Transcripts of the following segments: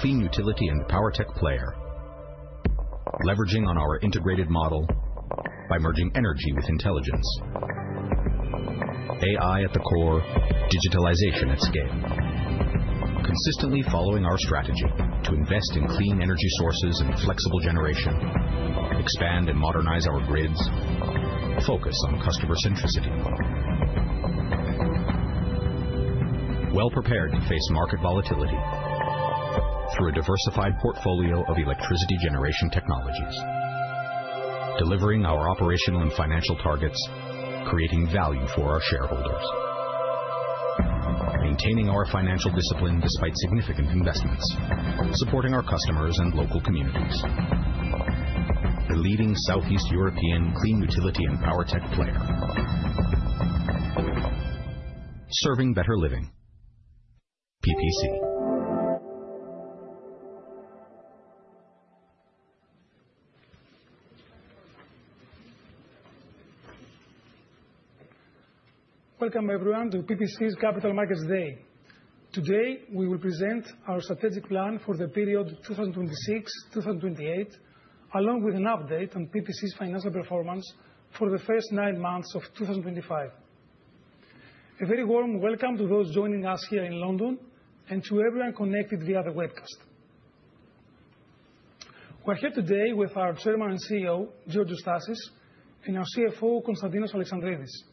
Clean utility and power tech player, leveraging on our Integrated model by merging energy with intelligence. AI at the core, digitalization at scale. Consistently following our strategy to invest in Clean Energy Sources and Flexible generation, expand and modernize our grids, focus on customer centricity. Well prepared to face market volatility through a diversified portfolio of electricity generation technologies, delivering our operational and financial targets, creating value for our shareholders. Maintaining our financial discipline despite significant investments, supporting our customers and local communities. The leading Southeast European clean utility and power tech player. Serving better living. PPC. Welcome everyone to PPC's Capital Markets Day. Today we will present our strategic plan for the period 2026-2028, along with an update on PPC's financial performance for the first nine months of 2025. A very warm welcome to those joining us here in London and to everyone connected via the webcast. We are here today with our Chairman and CEO, Georgios Stassis, and our CFO, Konstantinos Alexandridis.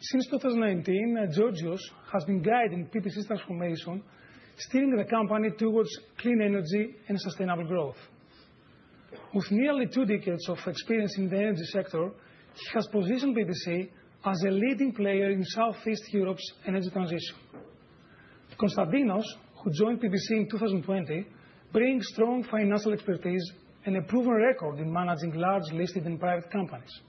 Since 2019, Georgios has been guiding PPC's transformation, steering the Company towards clean energy and sustainable growth. With nearly two decades of experience in the energy sector, he has positioned PPC as a leading player in Southeast Europe's energy transition. Konstantinos, who joined PPC in 2020, brings strong financial expertise and a proven record in managing large listed and private companies.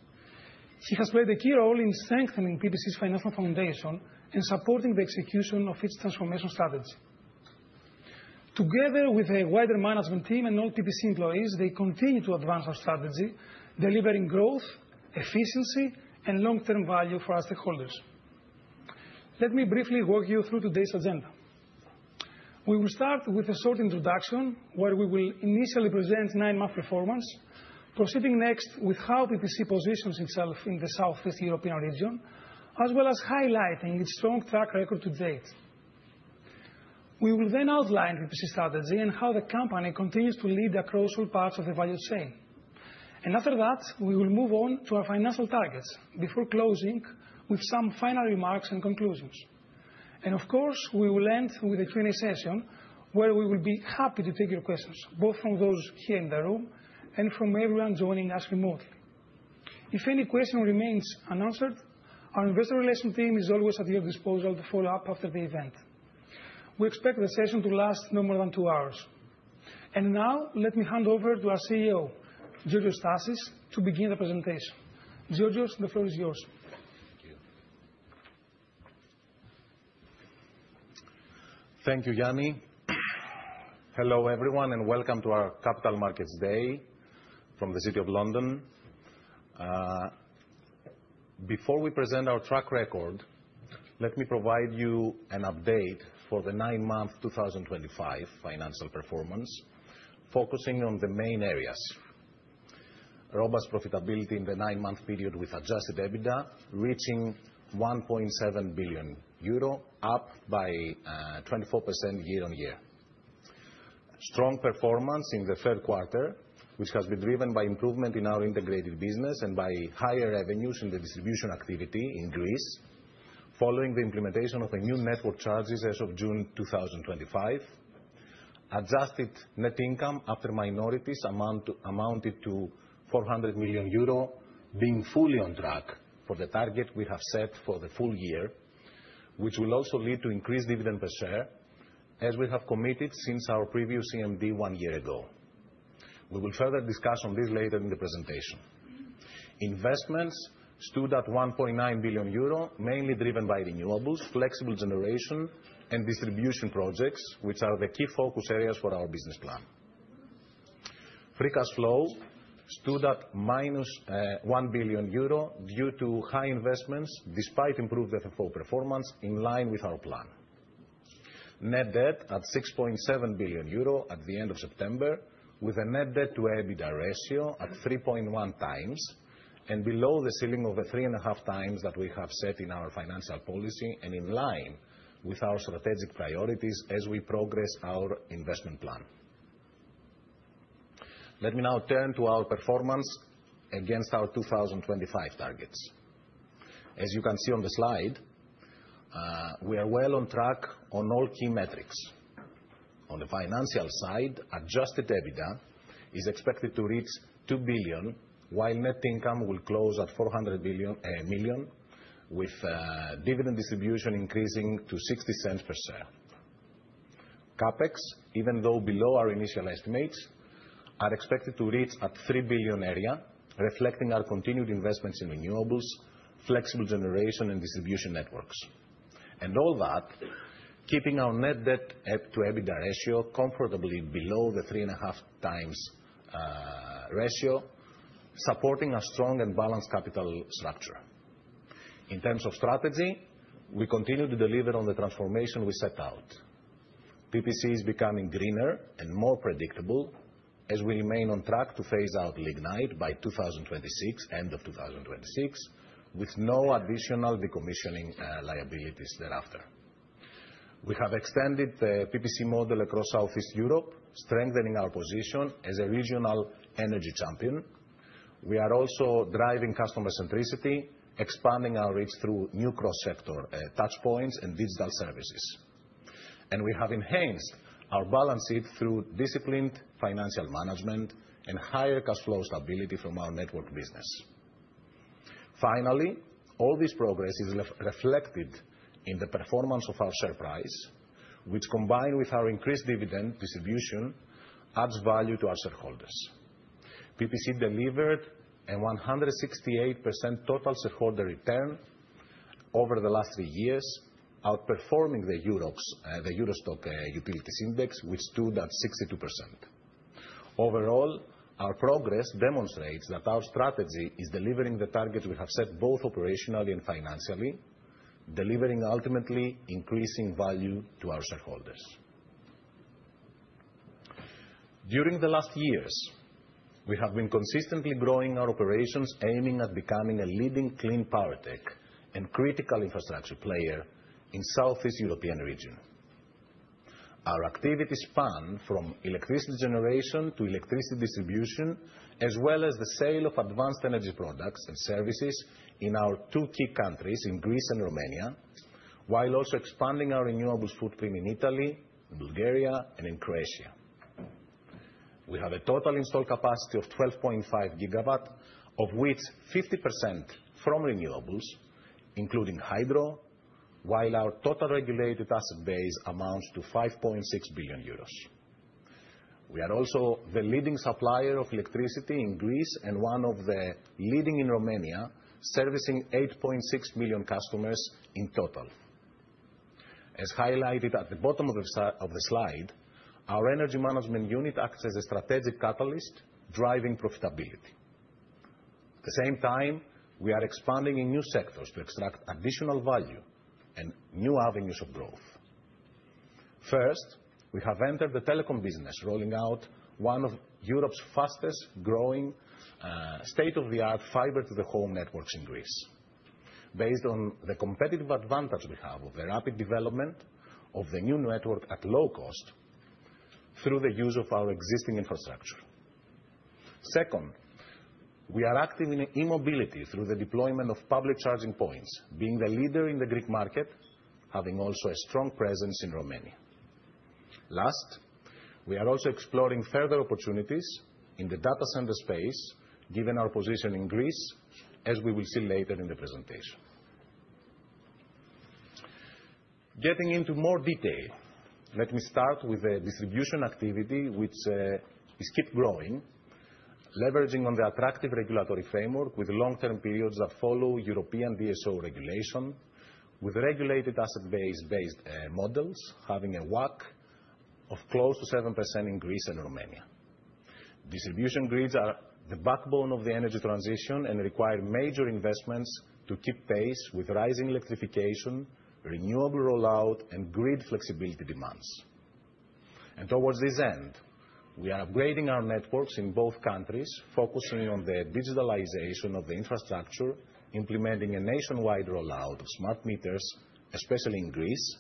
He has played a key role in strengthening PPC's financial foundation and supporting the execution of its transformation strategy. Together with a wider management team and all PPC employees, they continue to advance our strategy, delivering growth, efficiency, and long-term value for our stakeholders. Let me briefly walk you through today's agenda. We will start with a short introduction where we will initially present nine-month performance, proceeding next with how PPC positions itself in the Southeast European region, as well as highlighting its strong track record to date. We will then outline PPC's strategy and how the Company continues to lead across all parts of the value chain. After that, we will move on to our financial targets before closing with some final remarks and conclusions. Of course, we will end with a Q&A session where we will be happy to take your questions, both from those here in the room and from everyone joining us remotely. If any question remains unanswered, our Investor Relations team is always at your disposal to follow up after the event. We expect the session to last no more than two hours. Now, let me hand over to our CEO, Georgios Stassis, to begin the presentation. Georgios, the floor is yours. Thank you. Thank you, Ioannis. Hello everyone and welcome to our Capital Markets Day from the City of London. Before we present our track record, let me provide you an update for the nine-month 2025 financial performance, focusing on the main areas. Robust profitability in the nine-month period with adjusted EBITDA reaching 1.7 billion euro, up by 24% year-on-year. Strong performance in the third quarter, which has been driven by improvement in our integrated business and by higher revenues in the Distribution activity in Greece, following the implementation of the new network charges as of June 2025. Adjusted net income after minorities amounted to 400 million euro, being fully on track for the target we have set for the full year, which will also lead to increased dividend per share, as we have committed since our previous CMD one year ago. We will further discuss on this later in the presentation. Investments stood at 1.9 billion euro, mainly driven by renewables, Flexible generation, and Distribution projects, which are the key focus areas for our Business Plan. Free cash flow stood at -1 billion euro due to high investments despite improved FFO performance in line with our plan. Net debt at 6.7 billion euro at the end of September, with a net debt to EBITDA ratio at 3.1x and below the ceiling of 3.5x that we have set in our financial policy and in line with our strategic priorities as we progress our investment plan. Let me now turn to our performance against our 2025 targets. As you can see on the slide, we are well on track on all key metrics. On the financial side, adjusted EBITDA is expected to reach 2 billion, while net income will close at 400 million, with dividend distribution increasing to 0.60 per share. CapEx, even though below our initial estimates, are expected to reach at 3 billion, reflecting our continued investments in renewables, Flexible generation, and Distribution networks. All that, keeping our net debt to EBITDA ratio comfortably below the 3.5x ratio, supporting a strong and balanced capital structure. In terms of strategy, we continue to deliver on the transformation we set out. PPC is becoming greener and more predictable as we remain on track to phase out Lignite by 2026, end of 2026, with no additional decommissioning liabilities thereafter. We have extended the PPC model across Southeast Europe, strengthening our position as a regional energy champion. We are also driving customer centricity, expanding our reach through new cross-sector touchpoints and digital services. We have enhanced our balance sheet through disciplined financial management and higher cash flow stability from our network business. Finally, all this progress is reflected in the performance of our share price, which, combined with our increased dividend distribution, adds value to our shareholders. PPC delivered a 168% total shareholder return over the last three years, outperforming the EURO STOXX Utilities Index, which stood at 62%. Overall, our progress demonstrates that our strategy is delivering the targets we have set both operationally and financially, delivering ultimately increasing value to our shareholders. During the last years, we have been consistently growing our operations, aiming at becoming a leading clean power tech and critical infrastructure player in the Southeast European region. Our activity spanned from Electricity generation to Electricity distribution, as well as the sale of advanced energy products and services in our two key countries, in Greece and Romania, while also expanding our renewables footprint in Italy, Bulgaria, and in Croatia. We have a total installed capacity of 12.5 GW, of which 50% from renewables, including Hydro, while our total regulated asset base amounts to 5.6 billion euros. We are also the leading supplier of electricity in Greece and one of the leading in Romania, servicing 8.6 million customers in total. As highlighted at the bottom of the slide, our energy management unit acts as a strategic catalyst driving profitability. At the same time, we are expanding in new sectors to extract additional value and new avenues of growth. First, we have entered the Telecom business, rolling out one of Europe's fastest-growing state-of-the-art Fiber-to-the-Home networks in Greece, based on the competitive advantage we have of the rapid development of the new network at low cost through the use of our existing infrastructure. Second, we are active in e-mobility through the deployment of public charging points, being the leader in the Greek market, having also a strong presence in Romania. Last, we are also exploring further opportunities in the data center space, given our position in Greece, as we will see later in the presentation. Getting into more detail, let me start with the Distribution activity, which is keep growing, leveraging on the attractive regulatory framework with long-term periods that follow European DSO regulation, with regulated asset-based models, having a WACC of close to 7% in Greece and Romania. Distribution grids are the backbone of the energy transition and require major investments to keep pace with rising electrification, renewable rollout, and grid flexibility demands. Towards this end, we are upgrading our networks in both countries, focusing on the digitalization of the infrastructure, implementing a nationwide rollout of smart meters, especially in Greece,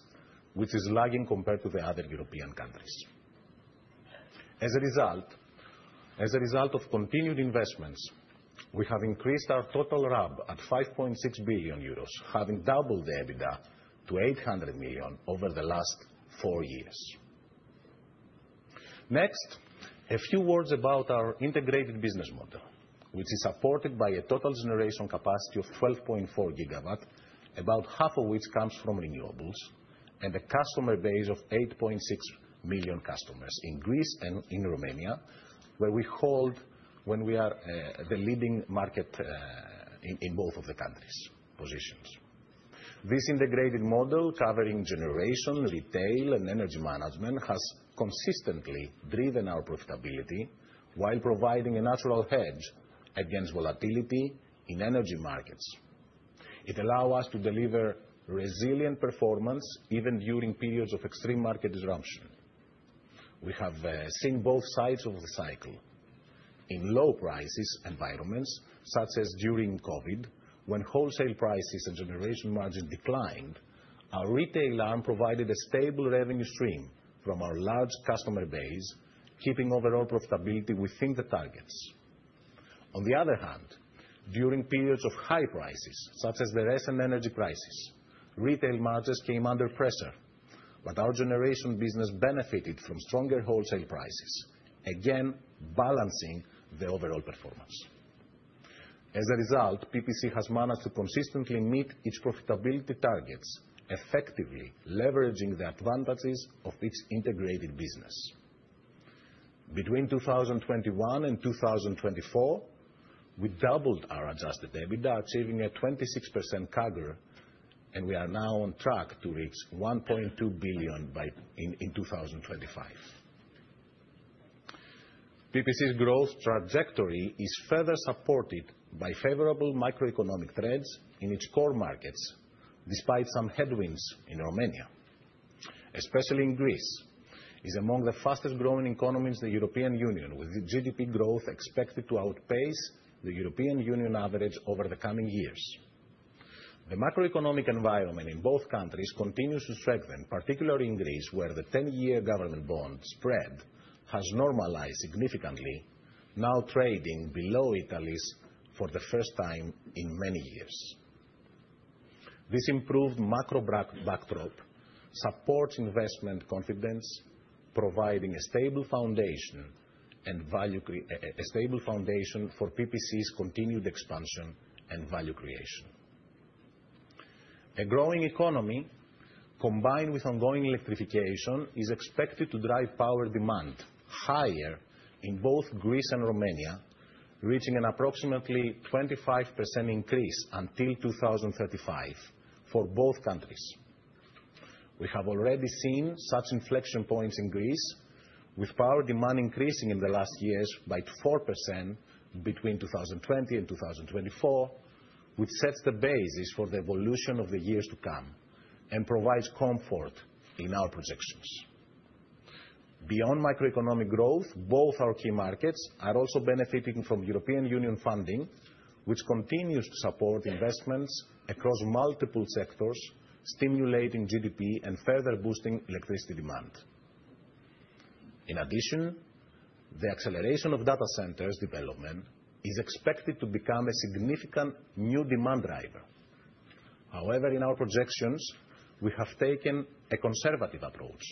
which is lagging compared to the other European countries. As a result of continued investments, we have increased our total RAB at 5.6 billion euros, having doubled the EBITDA to 800 million over the last four years. Next, a few words about our Integrated business model, which is supported by a total generation capacity of 12.4 GW, about half of which comes from renewables, and a customer base of 8.6 million customers in Greece and in Romania, where we are the leading market in both of the countries, positions. This Integrated model, covering Generation, Retail, and Energy Management, has consistently driven our profitability while providing a natural hedge against volatility in energy markets. It allows us to deliver resilient performance even during periods of extreme market disruption. We have seen both sides of the cycle. In low-prices environments, such as during COVID, when wholesale prices and Generation margins declined, our Retail arm provided a stable revenue stream from our large customer base, keeping overall profitability within the targets. On the other hand, during periods of high prices, such as the recent energy crisis, Retail margins came under pressure, but our Generation business benefited from stronger wholesale prices, again balancing the overall performance. As a result, PPC has managed to consistently meet its profitability targets, effectively leveraging the advantages of its Integrated business. Between 2021 and 2024, we doubled our adjusted EBITDA, achieving a 26% CAGR, and we are now on track to reach 1.2 billion by 2025. PPC's growth trajectory is further supported by favorable macroeconomic threads in its core markets, despite some headwinds in Romania. Especially in Greece, it is among the fastest-growing economies in the European Union, with GDP growth expected to outpace the European Union average over the coming years. The macroeconomic environment in both countries continues to strengthen, particularly in Greece, where the 10-year government bond spread has normalized significantly, now trading below Italy's for the first time in many years. This improved macro backdrop supports investment confidence, providing a stable foundation and value for PPC's continued expansion and value creation. A growing economy, combined with ongoing electrification, is expected to drive power demand higher in both Greece and Romania, reaching an approximately 25% increase until 2035 for both countries. We have already seen such inflection points in Greece, with power demand increasing in the last years by 4% between 2020 and 2024, which sets the basis for the evolution of the years to come and provides comfort in our projections. Beyond macroeconomic growth, both our key markets are also benefiting from European Union funding, which continues to support investments across multiple sectors, stimulating GDP and further boosting electricity demand. In addition, the acceleration of data centers development is expected to become a significant new demand driver. However, in our projections, we have taken a conservative approach,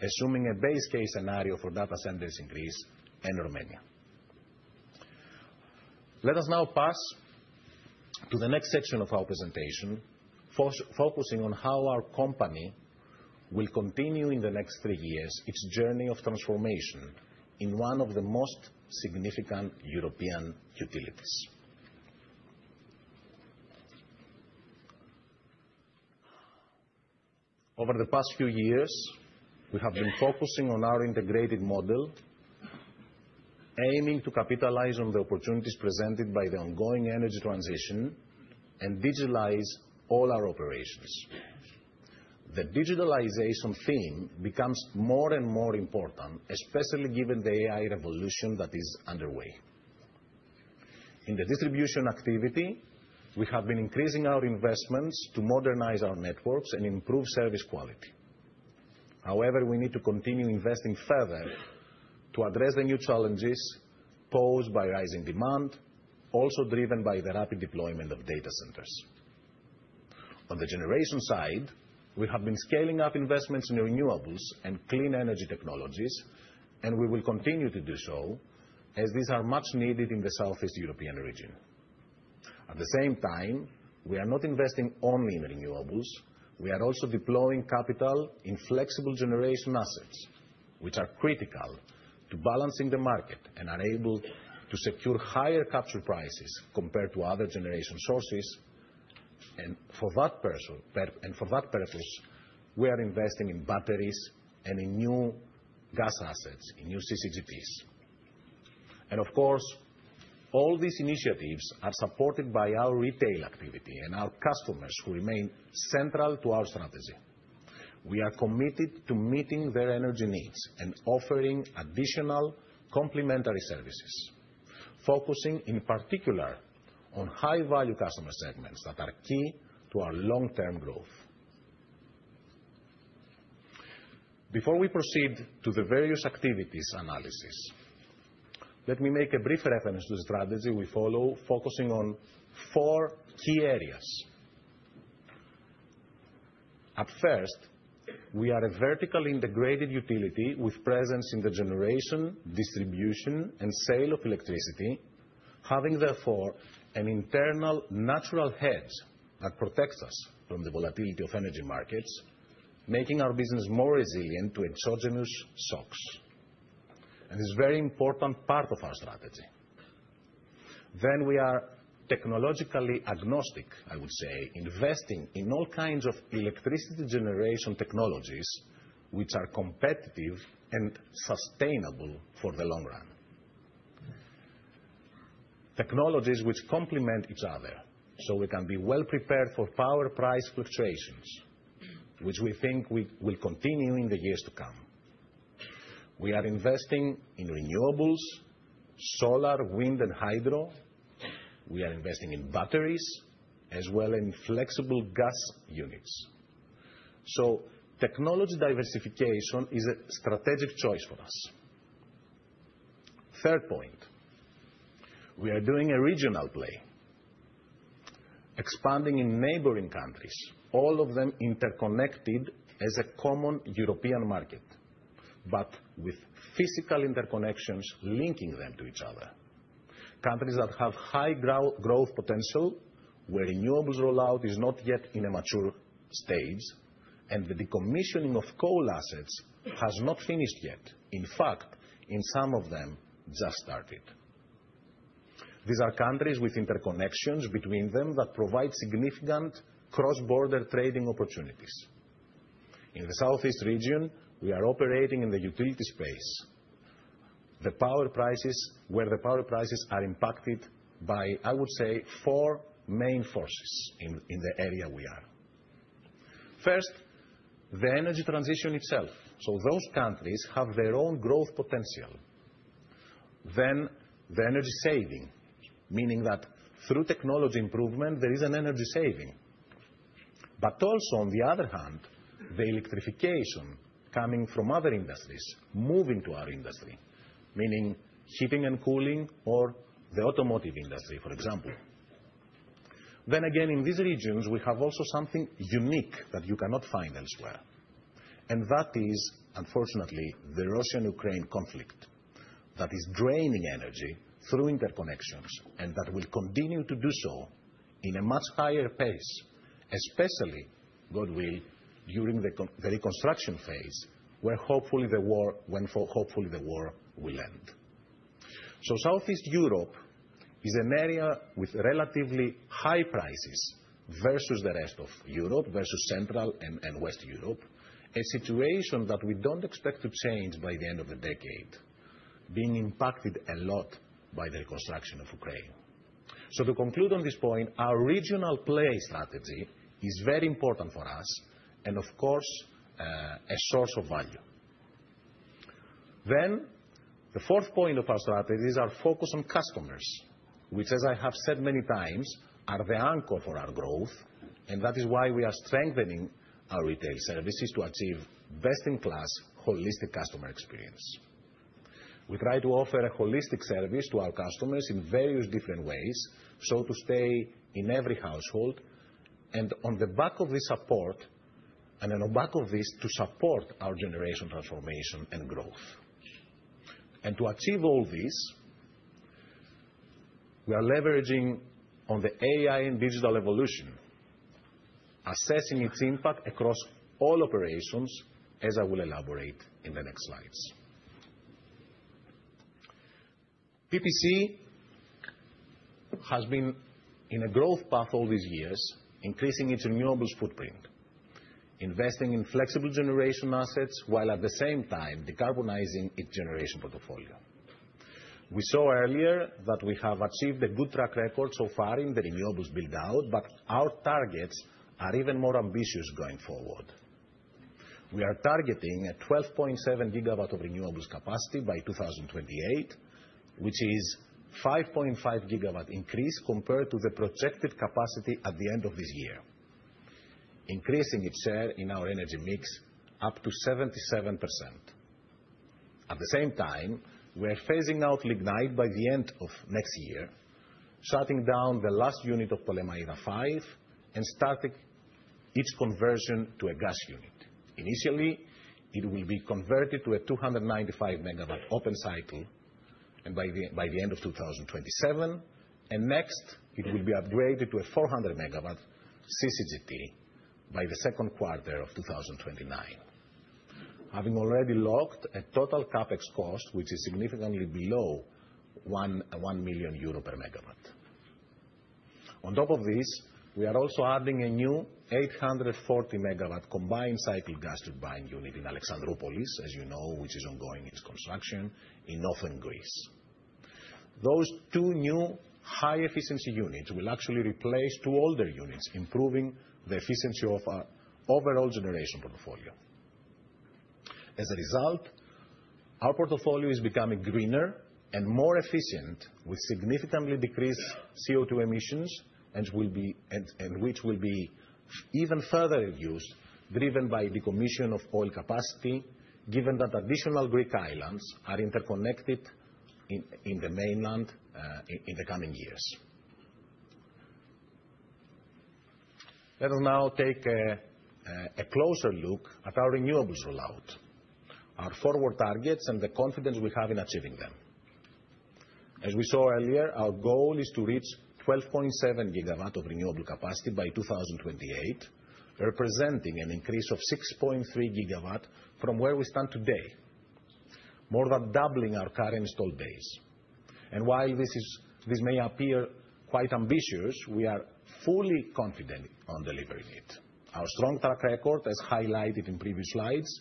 assuming a base case scenario for data centers in Greece and Romania. Let us now pass to the next section of our presentation, focusing on how our Company will continue in the next three years its journey of transformation in one of the most significant European utilities. Over the past few years, we have been focusing on our Integrated model, aiming to capitalize on the opportunities presented by the ongoing energy transition and digitalize all our operations. The digitalization theme becomes more and more important, especially given the AI revolution that is underway. In the Distribution activity, we have been increasing our investments to modernize our networks and improve service quality. However, we need to continue investing further to address the new challenges posed by rising demand, also driven by the rapid deployment of data centers. On the Generation side, we have been scaling up investments in renewables and clean energy technologies, and we will continue to do so as these are much needed in the Southeast European region. At the same time, we are not investing only in renewables; we are also deploying capital in Flexible generation assets, which are critical to balancing the market and are able to secure higher capture prices compared to other Generation sources. For that purpose, we are investing in Batteries and in new Gas assets, in new CCGTs. Of course, all these initiatives are supported by our Retail activity and our customers, who remain central to our strategy. We are committed to meeting their energy needs and offering additional complementary services, focusing in particular on high-value customer segments that are key to our long-term growth. Before we proceed to the various activities analysis, let me make a brief reference to the strategy we follow, focusing on four key areas. At first, we are a vertically Integrated utility with presence in the Generation, Distribution, and sale of electricity, having therefore an internal natural hedge that protects us from the volatility of energy markets, making our business more resilient to exogenous shocks. This is a very important part of our strategy. We are technologically agnostic, I would say, investing in all kinds of electricity generation technologies, which are competitive and sustainable for the long run. Technologies which complement each other, so we can be well prepared for power price fluctuations, which we think will continue in the years to come. We are investing in renewables, Solar, Wind, and Hydro. We are investing in Batteries, as well as in flexible gas units. Technology diversification is a strategic choice for us. Third point, we are doing a regional play, expanding in neighboring countries, all of them interconnected as a common European market, but with physical interconnections linking them to each other. Countries that have high growth potential, where renewables rollout is not yet in a mature stage, and the decommissioning of coal assets has not finished yet. In fact, in some of them, just started. These are countries with interconnections between them that provide significant cross-border trading opportunities. In the Southeast region, we are operating in the utility space, where the power prices are impacted by, I would say, four main forces in the area we are. First, the energy transition itself. Those countries have their own growth potential. Then the energy saving, meaning that through technology improvement, there is an energy saving. On the other hand, the electrification coming from other industries moving to our industry, meaning heating and cooling or the automotive industry, for example. In these regions, we have also something unique that you cannot find elsewhere. That is, unfortunately, the Russian-Ukraine conflict that is draining energy through interconnections and that will continue to do so at a much higher pace, especially, God will, during the reconstruction phase, when hopefully the war will end. Southeast Europe is an area with relatively high prices versus the rest of Europe, versus Central and West Europe, a situation that we do not expect to change by the end of the decade, being impacted a lot by the reconstruction of Ukraine. To conclude on this point, our regional play strategy is very important for us and, of course, a source of value. The fourth point of our strategies is our focus on customers, which, as I have said many times, are the anchor for our growth, and that is why we are strengthening our Retail services to achieve best-in-class holistic customer experience. We try to offer a holistic service to our customers in various different ways, to stay in every household. On the back of this, to support our Generation transformation and growth. To achieve all this, we are leveraging on the AI and digital evolution, assessing its impact across all operations, as I will elaborate in the next slides. PPC has been in a growth path all these years, increasing its renewables footprint, investing in Flexible generation assets, while at the same time decarbonizing its Generation portfolio. We saw earlier that we have achieved a good track record so far in the renewables build-out, but our targets are even more ambitious going forward. We are targeting a 12.7 GW of renewables capacity by 2028, which is a 5.5 GW increase compared to the projected capacity at the end of this year, increasing its share in our energy mix up to 77%. At the same time, we are phasing out Lignite by the end of next year, shutting down the last unit of Ptolemaida 5 and starting its conversion to a gas unit. Initially, it will be converted to a 295 MW open cycle by the end of 2027, and next, it will be upgraded to a 400 MW CCGT by the second quarter of 2029, having already locked a total CapEx cost, which is significantly below 1 million euro per MW. On top of this, we are also adding a new 840 MW combined cycle gas turbine unit in Alexandroupolis, as you know, which is ongoing its construction in Northern Greece. Those two new high-efficiency units will actually replace two older units, improving the efficiency of our overall Generation portfolio. As a result, our portfolio is becoming greener and more efficient, with significantly decreased CO2 emissions, and which will be even further reduced, driven by decommission of Oil capacity, given that additional Greek islands are interconnected in the mainland in the coming years. Let us now take a closer look at our renewables rollout, our forward targets, and the confidence we have in achieving them. As we saw earlier, our goal is to reach 12.7 GW of Renewable capacity by 2028, representing an increase of 6.3 GW from where we stand today, more than doubling our current installed base. While this may appear quite ambitious, we are fully confident on delivering it. Our strong track record, as highlighted in previous slides,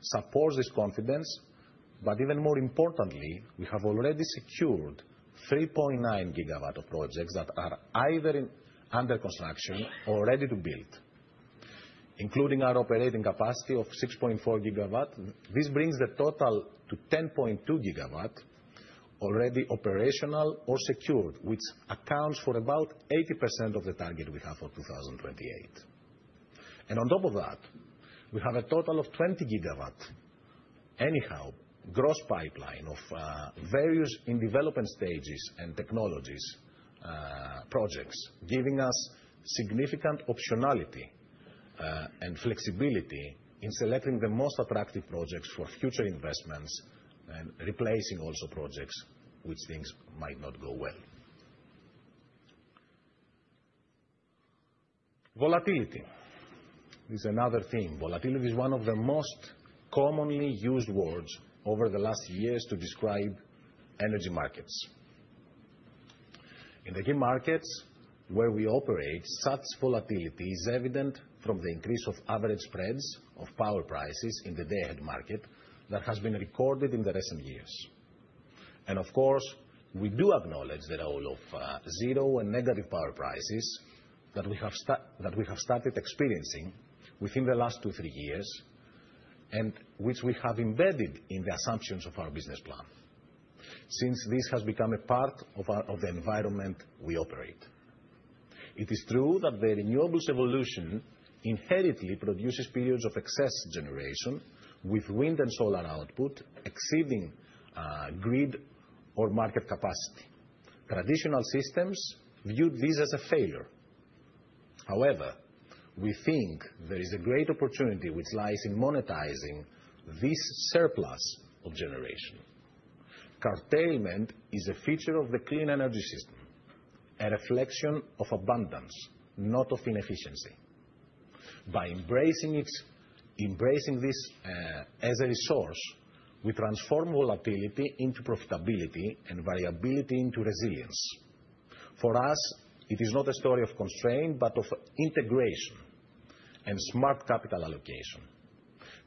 supports this confidence. Even more importantly, we have already secured 3.9 GW of projects that are either under construction or ready to build, including our operating capacity of 6.4 GW. This brings the total to 10.2 GW already operational or secured, which accounts for about 80% of the target we have for 2028. On top of that, we have a total of 20 GW, anyhow, gross pipeline of various in development stages and technologies projects, giving us significant optionality and flexibility in selecting the most attractive projects for future investments and replacing also projects which things might not go well. Volatility. This is another theme. Volatility is one of the most commonly used words over the last years to describe energy markets. In the key markets where we operate, such volatility is evident from the increase of average spreads of power prices in the day-ahead market that has been recorded in the recent years. We do acknowledge the role of zero and negative power prices that we have started experiencing within the last two, three years, and which we have embedded in the assumptions of our Business Plan, since this has become a part of the environment we operate. It is true that the renewables evolution inherently produces periods of excess generation with Wind and Solar output exceeding grid or market capacity. Traditional systems viewed this as a failure. However, we think there is a great opportunity which lies in monetizing this surplus of Generation. Curtailment is a feature of the clean energy system, a reflection of abundance, not of inefficiency. By embracing this as a resource, we transform volatility into profitability and variability into resilience. For us, it is not a story of constraint, but of integration and smart capital allocation,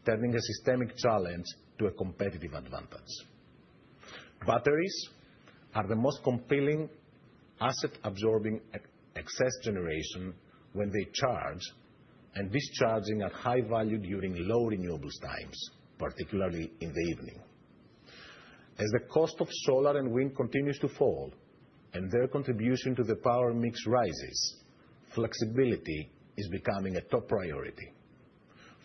turning a systemic challenge to a competitive advantage. Batteries are the most compelling asset, absorbing excess Generation when they charge and discharging at high value during low renewables times, particularly in the evening. As the cost of Solar and Wind continues to fall and their contribution to the power mix rises, flexibility is becoming a top priority.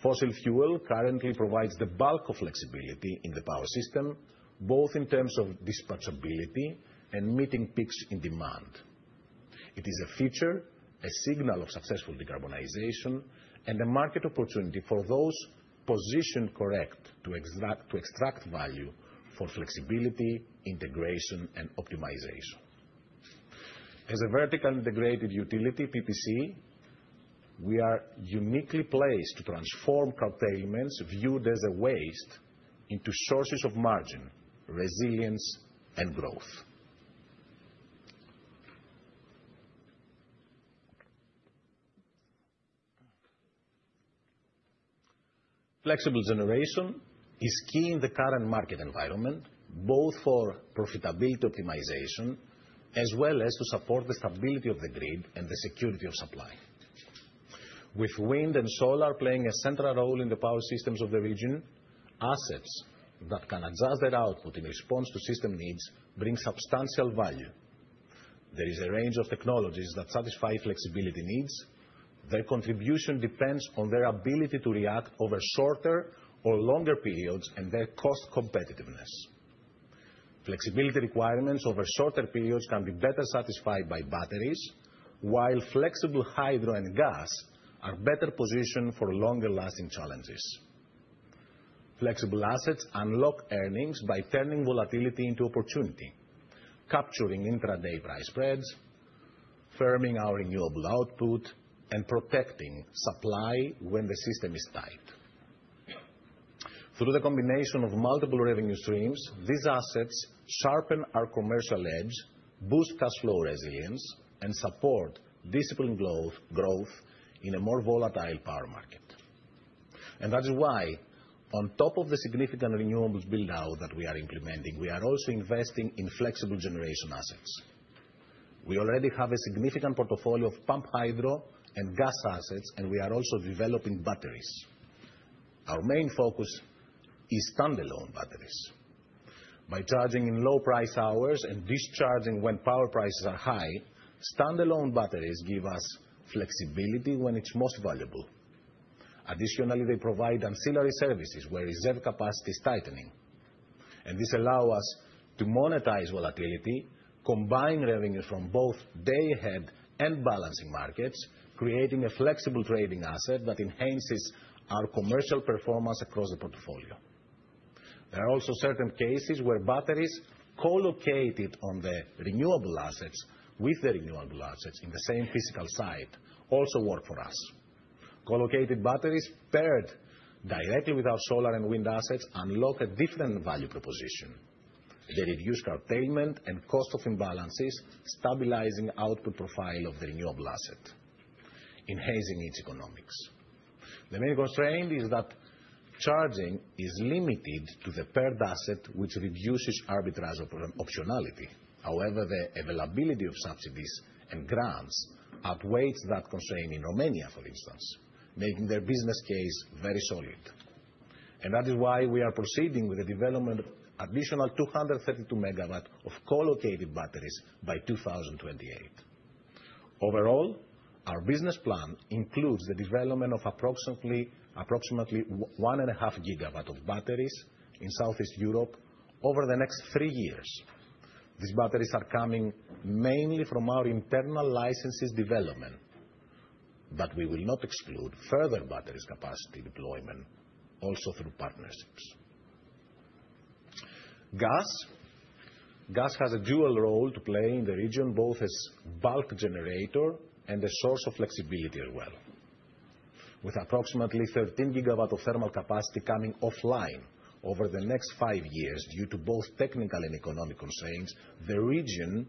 Fossil fuel currently provides the bulk of flexibility in the power system, both in terms of dispatchability and meeting peaks in demand. It is a feature, a signal of successful decarbonization, and a market opportunity for those positioned correctly to extract value for flexibility, integration, and optimization. As a vertically Integrated utility, PPC, we are uniquely placed to transform curtailments viewed as a waste into sources of margin, resilience, and growth. Flexible generation is key in the current market environment, both for profitability optimization as well as to support the stability of the grid and the security of supply. With Wind and Solar playing a central role in the power systems of the region, assets that can adjust their output in response to system needs bring substantial value. There is a range of technologies that satisfy flexibility needs. Their contribution depends on their ability to react over shorter or longer periods and their cost competitiveness. Flexibility requirements over shorter periods can be better satisfied by Batteries, while flexible Hydro and Gas are better positioned for longer-lasting challenges. Flexible assets unlock earnings by turning volatility into opportunity, capturing intraday price spreads, firming our Renewable output, and protecting supply when the system is tight. Through the combination of multiple revenue streams, these assets sharpen our commercial edge, boost cash flow resilience, and support disciplined growth in a more volatile power market. That is why, on top of the significant renewables build-out that we are implementing, we are also investing in Flexible generation assets. We already have a significant portfolio of pump Hydro and Gas assets, and we are also developing Batteries. Our main focus is standalone Batteries. By charging in low price hours and discharging when power prices are high, standalone Batteries give us flexibility when it's most valuable. Additionally, they provide ancillary services where reserve capacity is tightening. This allows us to monetize volatility, combine revenues from both day-ahead and balancing markets, creating a flexible trading asset that enhances our commercial performance across the portfolio. There are also certain cases where Batteries co-located on the Renewable assets with the Renewable assets in the same physical site also work for us. Co-located Batteries paired directly with our Solar and Wind assets unlock a different value proposition. They reduce curtailment and cost of imbalances, stabilizing output profile of the Renewable asset, enhancing its economics. The main constraint is that charging is limited to the paired asset, which reduces arbitrage optionality. However, the availability of subsidies and grants outweighs that constraint in Romania, for instance, making their business case very solid. That is why we are proceeding with the development of additional 232 MW of co-located Batteries by 2028. Overall, our Business Plan includes the development of approximately 1.5 GW of Batteries in Southeast Europe over the next three years. These Batteries are coming mainly from our internal licenses development, but we will not exclude further Batteries capacity deployment also through partnerships. Gas has a dual role to play in the region, both as bulk generator and a source of flexibility as well. With approximately 13 GW of thermal capacity coming offline over the next five years due to both technical and economic constraints, the region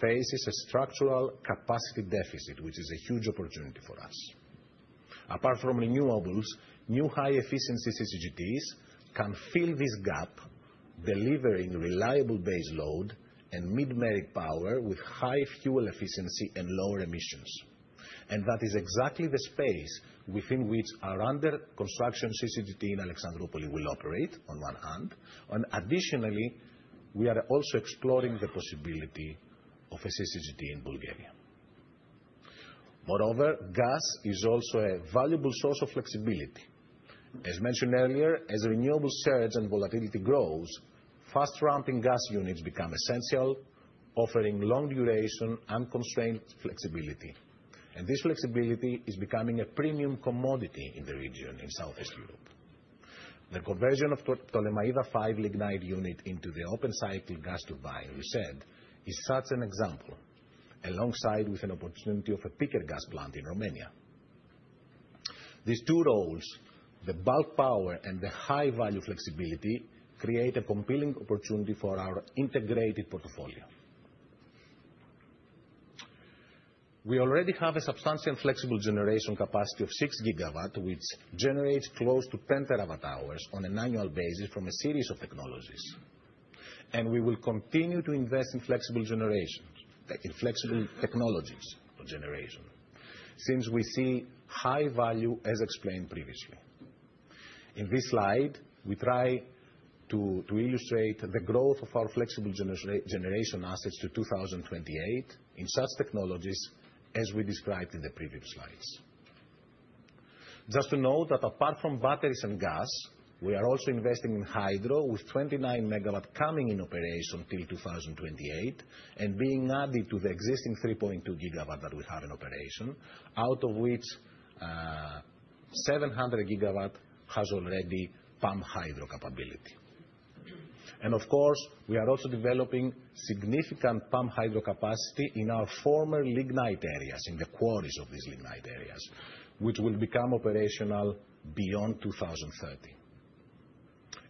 faces a structural capacity deficit, which is a huge opportunity for us. Apart from renewables, new high-efficiency CCGTs can fill this gap, delivering reliable base load and mid-merit power with high fuel efficiency and lower emissions. That is exactly the space within which our under-construction CCGT in Alexandroupolis will operate, on one hand. Additionally, we are also exploring the possibility of a CCGT in Bulgaria. Moreover, Gas is also a valuable source of flexibility. As mentioned earlier, as renewables surge and volatility grows, fast-ramping gas units become essential, offering long-duration, unconstrained flexibility. This flexibility is becoming a premium commodity in the region in Southeast Europe. The conversion of Ptolemaida 5 Lignite unit into the open cycle gas turbine, we said, is such an example, alongside an opportunity of a peaker gas plant in Romania. These two roles, the bulk power and the high-value flexibility, create a compelling opportunity for our Integrated portfolio. We already have a substantial Flexible generation capacity of 6 GW, which generates close to 10 TWh on an annual basis from a series of technologies. We will continue to invest in flexible technologies for Generation, since we see high value, as explained previously. In this slide, we try to illustrate the growth of our Flexible generation assets to 2028 in such technologies as we described in the previous slides. Just to note that apart from Batteries and Gas, we are also investing in Hydro, with 29 MW coming in operation till 2028 and being added to the existing 3.2 GW that we have in operation, out of which 700 MW has already Pump Hydro capability. Of course, we are also developing significant Pump Hydro capacity in our former Lignite areas, in the quarries of these Lignite areas, which will become operational beyond 2030.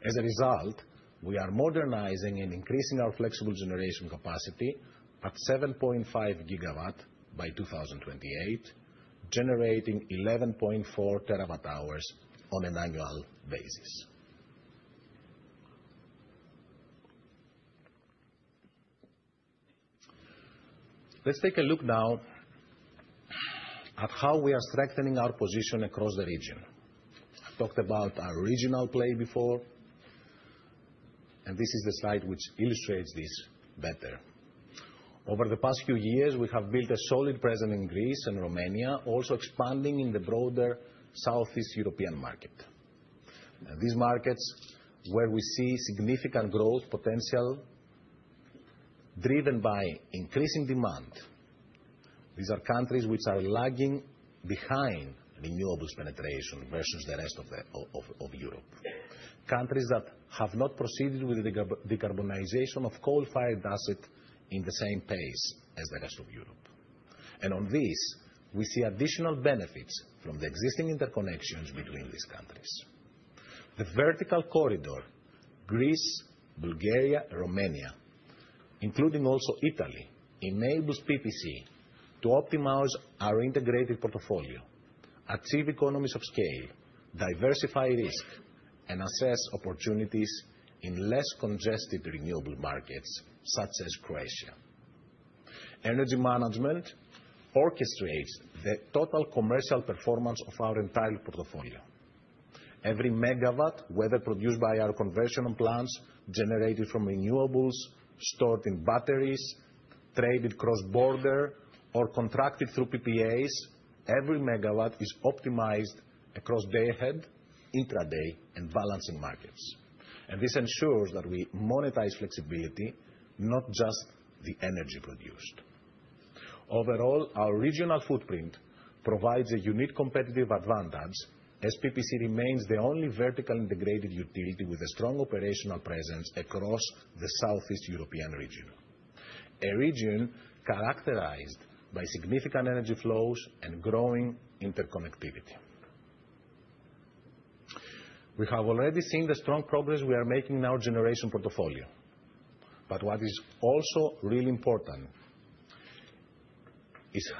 As a result, we are modernizing and increasing our Flexible generation capacity at 7.5 GW by 2028, generating 11.4 TWh on an annual basis. Let's take a look now at how we are strengthening our position across the region. I've talked about our regional play before, and this is the slide which illustrates this better. Over the past few years, we have built a solid presence in Greece and Romania, also expanding in the broader Southeast European market. These markets are where we see significant growth potential driven by increasing demand. These are countries which are lagging behind renewables penetration versus the rest of Europe. Countries that have not proceeded with the decarbonization of Coal-fired assets at the same pace as the rest of Europe. On this, we see additional benefits from the existing interconnections between these countries. The vertical corridor Greece, Bulgaria, Romania, including also Italy, enables PPC to optimize our Integrated portfolio, achieve economies of scale, diversify risk, and assess opportunities in less congested renewable markets such as Croatia. Energy management orchestrates the total commercial performance of our entire portfolio. Every megawatt, whether produced by our conversion plants, generated from renewables, stored in Batteries, traded cross-border, or contracted through PPAs, every megawatt is optimized across day-ahead, intraday, and balancing markets. This ensures that we monetize flexibility, not just the energy produced. Overall, our regional footprint provides a unique competitive advantage as PPC remains the only vertically Integrated utility with a strong operational presence across the Southeast European region, a region characterized by significant energy flows and growing interconnectivity. We have already seen the strong progress we are making in our Generation portfolio. What is also really important is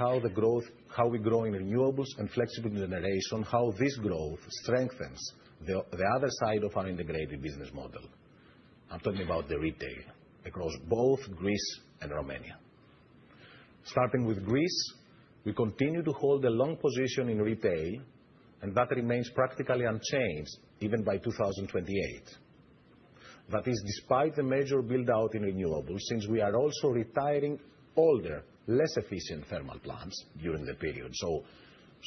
how we grow in Renewables and Flexible generation, how this growth strengthens the other side of our Integrated business model. I am talking about the Retail across both Greece and Romania. Starting with Greece, we continue to hold a long position in Retail, and that remains practically unchanged even by 2028. That is despite the major build-out in Renewables, since we are also retiring older, less efficient thermal plants during the period.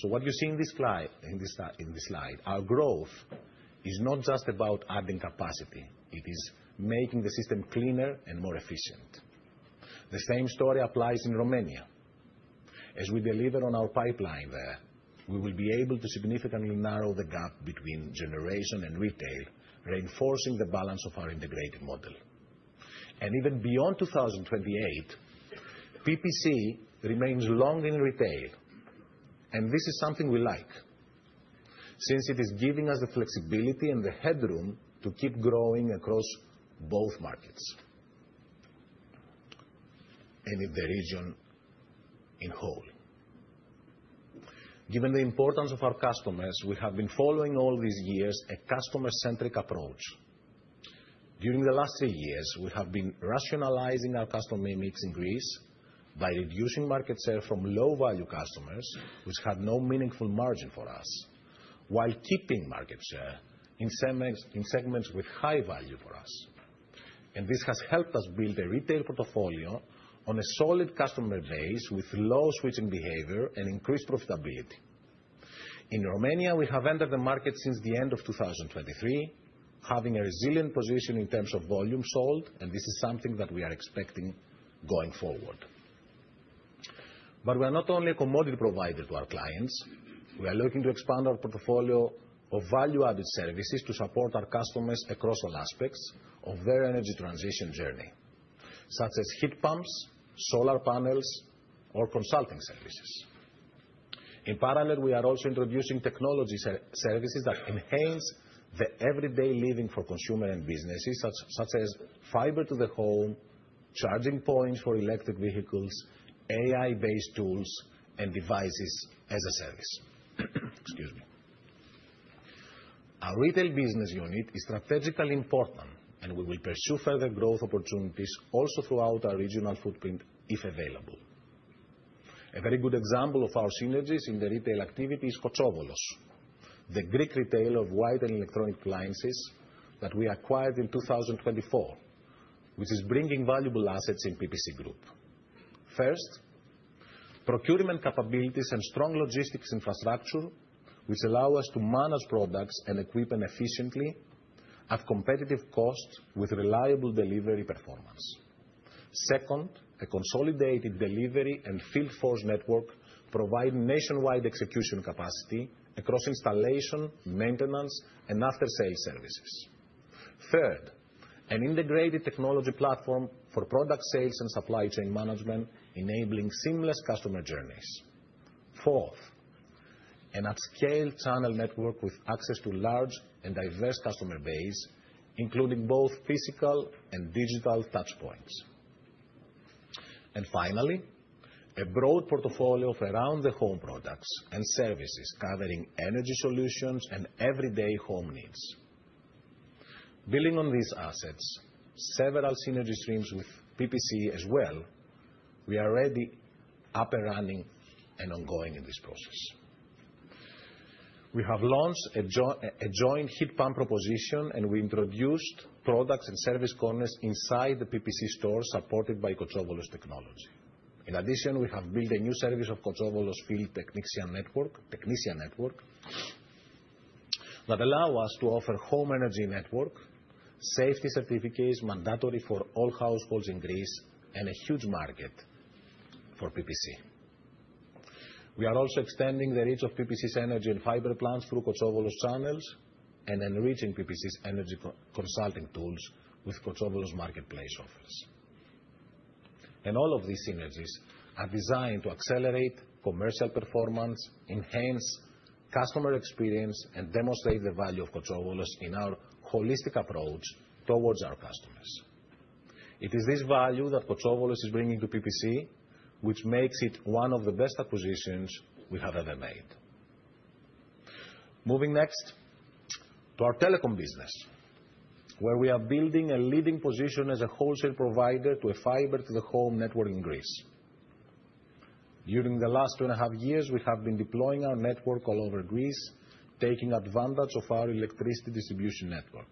What you see in this slide, our growth is not just about adding capacity. It is making the system cleaner and more efficient. The same story applies in Romania. As we deliver on our pipeline there, we will be able to significantly narrow the gap between Generation and Retail, reinforcing the balance of our Integrated model. Even beyond 2028, PPC remains long in Retail, and this is something we like, since it is giving us the flexibility and the headroom to keep growing across both markets and in the region in whole. Given the importance of our customers, we have been following all these years a customer-centric approach. During the last three years, we have been rationalizing our customer mix in Greece by reducing market share from low-value customers, which had no meaningful margin for us, while keeping market share in segments with high value for us. This has helped us build a retail portfolio on a solid customer base with low switching behavior and increased profitability. In Romania, we have entered the market since the end of 2023, having a resilient position in terms of volume sold, and this is something that we are expecting going forward. We are not only a commodity provider to our clients. We are looking to expand our portfolio of value-added services to support our customers across all aspects of their energy transition journey, such as heat pumps, solar panels, or consulting services. In parallel, we are also introducing technology services that enhance the everyday living for consumers and businesses, such as fiber-to-the-home, charging points for electric vehicles, AI-based tools, and devices as a service. Excuse me. Our Retail business unit is strategically important, and we will pursue further growth opportunities also throughout our regional footprint if available. A very good example of our synergies in the Retail activity is Kotsovolos, the Greek retailer of white and electronic appliances that we acquired in 2024, which is bringing valuable assets in PPC Group. First, procurement capabilities and strong logistics infrastructure, which allow us to manage products and equip efficiently at competitive costs with reliable delivery performance. Second, a consolidated delivery and field force network providing nationwide execution capacity across installation, maintenance, and after-sale services. Third, an integrated technology platform for product sales and supply chain management, enabling seamless customer journeys. Fourth, an at-scale channel network with access to a large and diverse customer base, including both physical and digital touchpoints. Finally, a broad portfolio of around-the-home products and services covering energy solutions and everyday home needs. Building on these assets, several synergy streams with PPC as well are already up and running and ongoing in this process. We have launched a joint heat pump proposition, and we introduced products and service corners inside the PPC store supported by Kotsovolos technology. In addition, we have built a new service of Kotsovolos field technician network that allows us to offer home energy network safety certificates mandatory for all households in Greece and a huge market for PPC. We are also extending the reach of PPC's energy and fiber plans through Kotsovolos channels and enriching PPC's energy consulting tools with Kotsovolos marketplace offers. All of these synergies are designed to accelerate commercial performance, enhance customer experience, and demonstrate the value of Kotsovolos in our holistic approach towards our customers. It is this value that Kotsovolos is bringing to PPC, which makes it one of the best acquisitions we have ever made. Moving next to our Telecom business, where we are building a leading position as a wholesale provider to a fiber-to-the-home network in Greece. During the last two and a half years, we have been deploying our network all over Greece, taking advantage of our Electricity distribution network.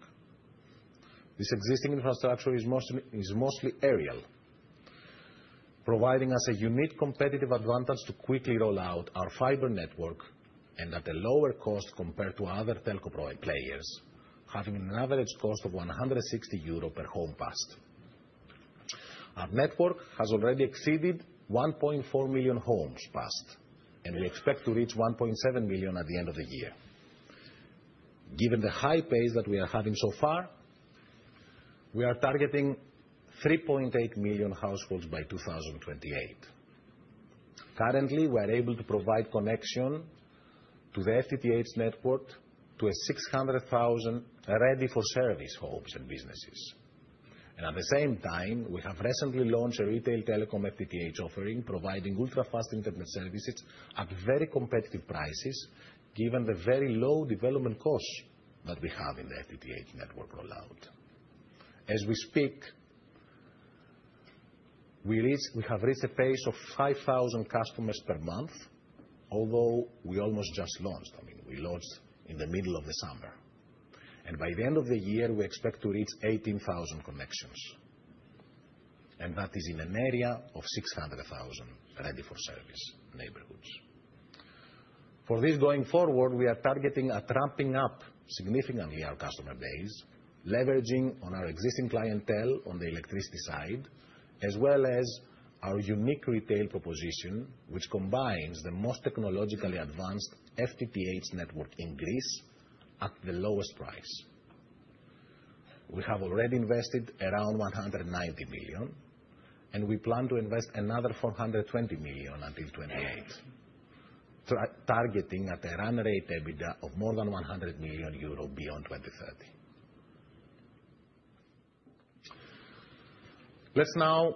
This existing infrastructure is mostly aerial, providing us a unique competitive advantage to quickly roll out our fiber network and at a lower cost compared to other telco players, having an average cost of 160 euro per home passed. Our network has already exceeded 1.4 million homes passed, and we expect to reach 1.7 million at the end of the year. Given the high pace that we are having so far, we are targeting 3.8 million households by 2028. Currently, we are able to provide connection to the FTTH network to 600,000 ready-for-service homes and businesses. At the same time, we have recently launched a retail telecom FTTH offering, providing ultra-fast internet services at very competitive prices, given the very low development costs that we have in the FTTH network rollout. As we speak, we have reached a pace of 5,000 customers per month, although we almost just launched. I mean, we launched in the middle of the summer. By the end of the year, we expect to reach 18,000 connections, and that is in an area of 600,000 ready-for-service neighborhoods. For this going forward, we are targeting at ramping up significantly our customer base, leveraging on our existing clientele on the electricity side, as well as our unique retail proposition, which combines the most technologically advanced FTTH network in Greece at the lowest price. We have already invested around 190 million, and we plan to invest another 420 million until 2028, targeting at a run rate EBITDA of more than 100 million euro beyond 2030. Let's now,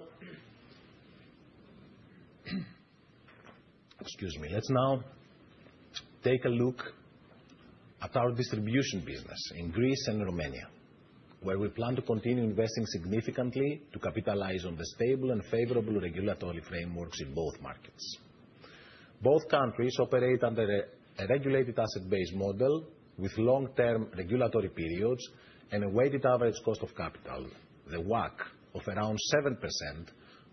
excuse me, let's now take a look at our Distribution business in Greece and Romania, where we plan to continue investing significantly to capitalize on the stable and favorable regulatory frameworks in both markets. Both countries operate under a regulated asset-based model with long-term regulatory periods and a weighted average cost of capital, the WACC, of around 7%,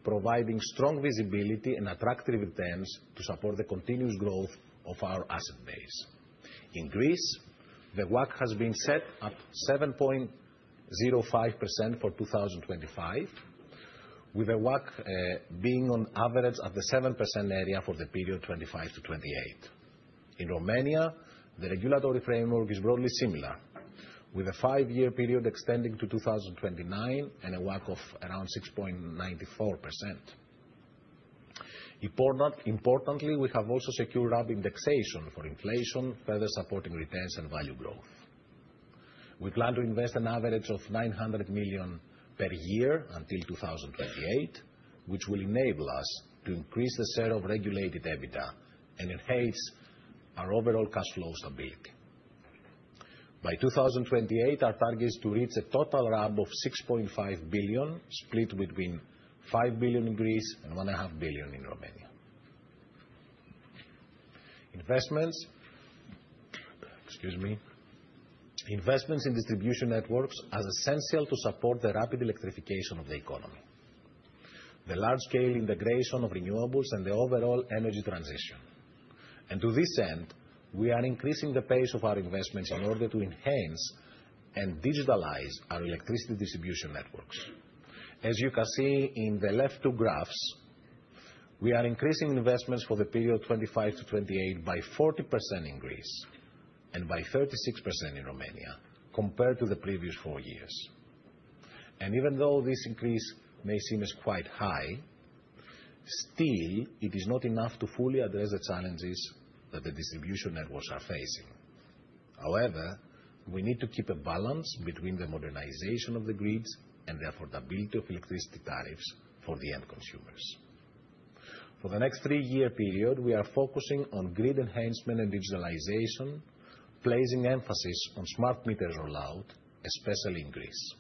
providing strong visibility and attractive returns to support the continuous growth of our asset base. In Greece, the WACC has been set at 7.05% for 2025, with the WACC being on average at the 7% area for the period 2025- 2028. In Romania, the regulatory framework is broadly similar, with a five-year period extending to 2029 and a WACC of around 6.94%. Importantly, we have also secured RAB indexation for inflation, further supporting returns and value growth. We plan to invest an average of 900 million per year until 2028, which will enable us to increase the share of regulated EBITDA and enhance our overall cash flow stability. By 2028, our target is to reach a total RAB of 6.5 billion, split between 5 billion in Greece and 1.5 billion in Romania. Investments, excuse me, investments in Distribution networks are essential to support the rapid electrification of the economy, the large-scale integration of renewables, and the overall energy transition. To this end, we are increasing the pace of our investments in order to enhance and digitalize our Electricity distribution networks. As you can see in the left two graphs, we are increasing investments for the period 2025-2028 by 40% in Greece and by 36% in Romania compared to the previous four years. Even though this increase may seem quite high, still, it is not enough to fully address the challenges that the Distribution networks are facing. However, we need to keep a balance between the modernization of the grids and the affordability of electricity tariffs for the end consumers. For the next three-year period, we are focusing on grid enhancement and digitalization, placing emphasis on smart meter rollout, especially in Greece.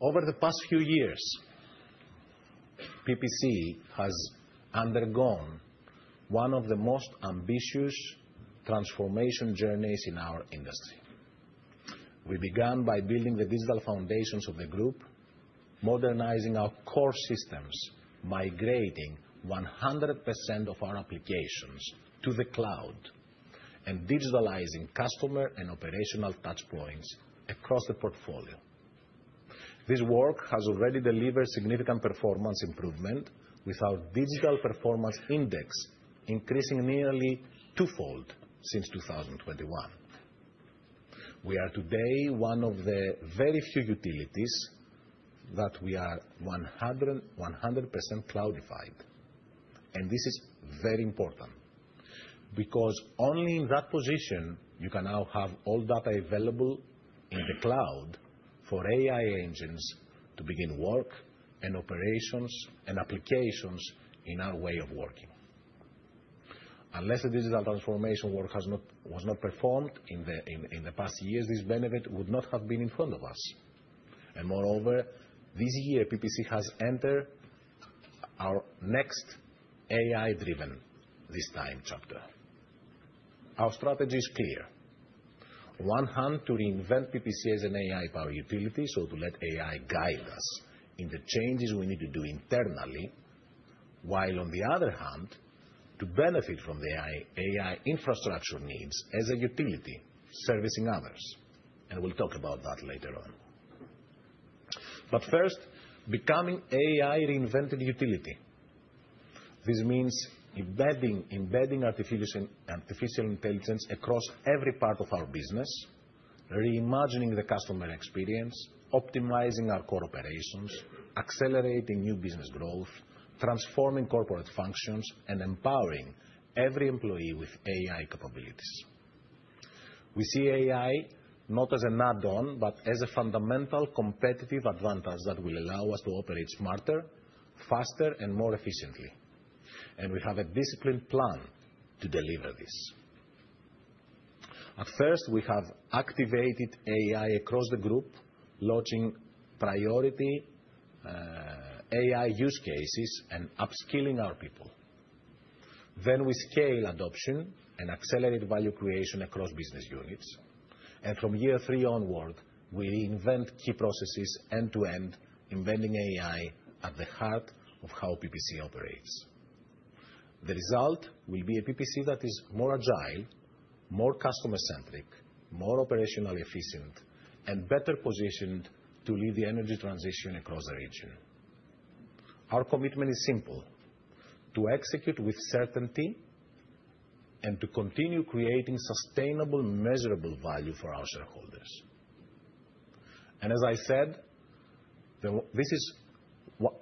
Over the past few years, PPC has undergone one of the most ambitious transformation journeys in our industry. We began by building the digital foundations of the Group, modernizing our core systems, migrating 100% of our applications to the cloud, and digitalizing customer and operational touchpoints across the portfolio. This work has already delivered significant performance improvement with our digital performance index, increasing nearly twofold since 2021. We are today one of the very few utilities that we are 100% cloudified, and this is very important because only in that position you can now have all data available in the cloud for AI engines to begin work and operations and applications in our way of working. Unless the digital transformation work was not performed in the past years, this benefit would not have been in front of us. Moreover, this year, PPC has entered our next AI-driven, this time, chapter. Our strategy is clear. On one hand, to reinvent PPC as an AI-powered utility, to let AI guide us in the changes we need to do internally, while, on the other hand, to benefit from the AI infrastructure needs as a utility servicing others. We will talk about that later on. First, becoming an AI-reinvented utility. This means embedding artificial intelligence across every part of our business, reimagining the customer experience, optimizing our core operations, accelerating new business growth, transforming corporate functions, and empowering every employee with AI capabilities. We see AI not as an add-on, but as a fundamental competitive advantage that will allow us to operate smarter, faster, and more efficiently. We have a disciplined plan to deliver this. At first, we have activated AI across the Group, launching priority AI use cases and upskilling our people. We then scale adoption and accelerate value creation across business units. From year three onward, we reinvent key processes end-to-end, embedding AI at the heart of how PPC operates. The result will be a PPC that is more agile, more customer-centric, more operationally efficient, and better positioned to lead the energy transition across the region. Our commitment is simple: to execute with certainty and to continue creating sustainable, measurable value for our shareholders. As I said, this is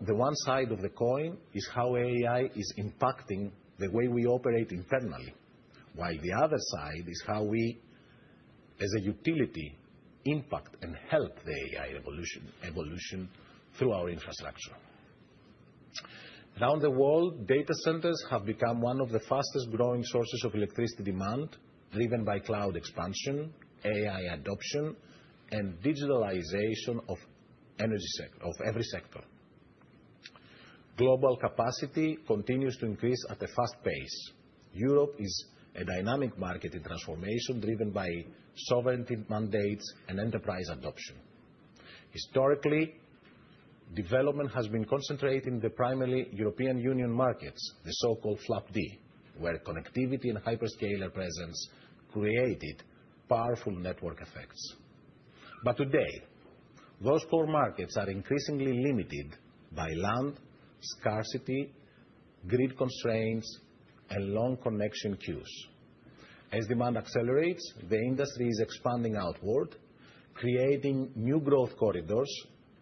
the one side of the coin: how AI is impacting the way we operate internally, while the other side is how we, as a utility, impact and help the AI evolution through our infrastructure. Around the world, data centers have become one of the fastest-growing sources of electricity demand, driven by cloud expansion, AI adoption, and digitalization of the energy sector of every sector. Global capacity continues to increase at a fast pace. Europe is a dynamic market in transformation, driven by sovereignty mandates and enterprise adoption. Historically, development has been concentrated in the primarily European Union markets, the so-called FLAPD, where connectivity and hyperscaler presence created powerful network effects. Today, those core markets are increasingly limited by land scarcity, grid constraints, and long connection queues. As demand accelerates, the industry is expanding outward, creating new growth corridors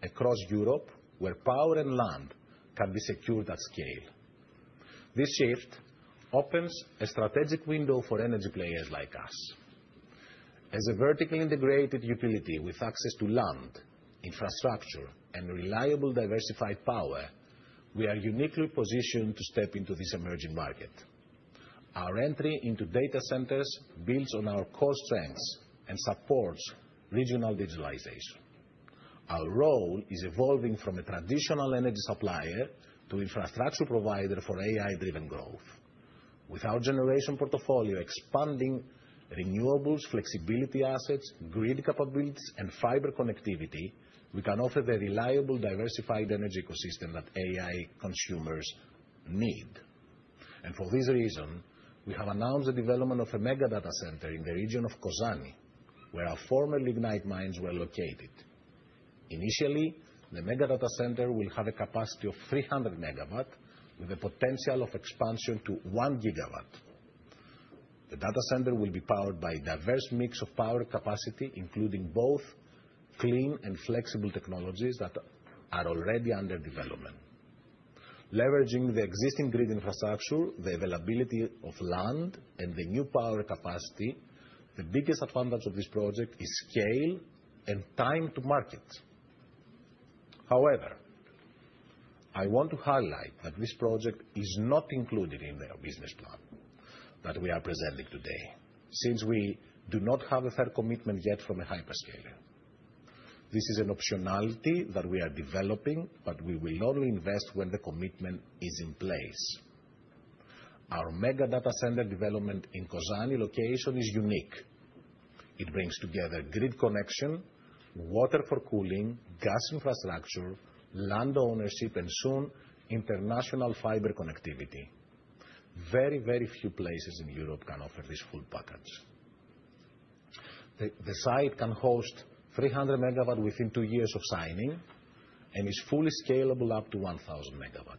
across Europe, where power and land can be secured at scale. This shift opens a strategic window for energy players like us. As a vertically integrated utility with access to land, infrastructure, and reliable diversified power, we are uniquely positioned to step into this emerging market. Our entry into data centers builds on our core strengths and supports regional digitalization. Our role is evolving from a traditional energy supplier to infrastructure provider for AI-driven growth. With our Generation portfolio expanding renewables, flexibility assets, grid capabilities, and fiber connectivity, we can offer the reliable, diversified energy ecosystem that AI consumers need. For this reason, we have announced the development of a mega data center in the region of Kozani, where our former lignite mines were located. Initially, the mega data center will have a capacity of 300 MW, with the potential of expansion to 1 GW. The data center will be powered by a diverse mix of power capacity, including both clean and flexible technologies that are already under development. Leveraging the existing grid infrastructure, the availability of land, and the new power capacity, the biggest advantage of this project is scale and time to market. However, I want to highlight that this project is not included in the Business Plan that we are presenting today, since we do not have a firm commitment yet from a hyperscaler. This is an optionality that we are developing, but we will only invest when the commitment is in place. Our mega data center development in Kozani location is unique. It brings together grid connection, water for cooling, gas infrastructure, land ownership, and soon international fiber connectivity. Very, very few places in Europe can offer this full package. The site can host 300 MW within two years of signing and is fully scalable up to 1,000 MW.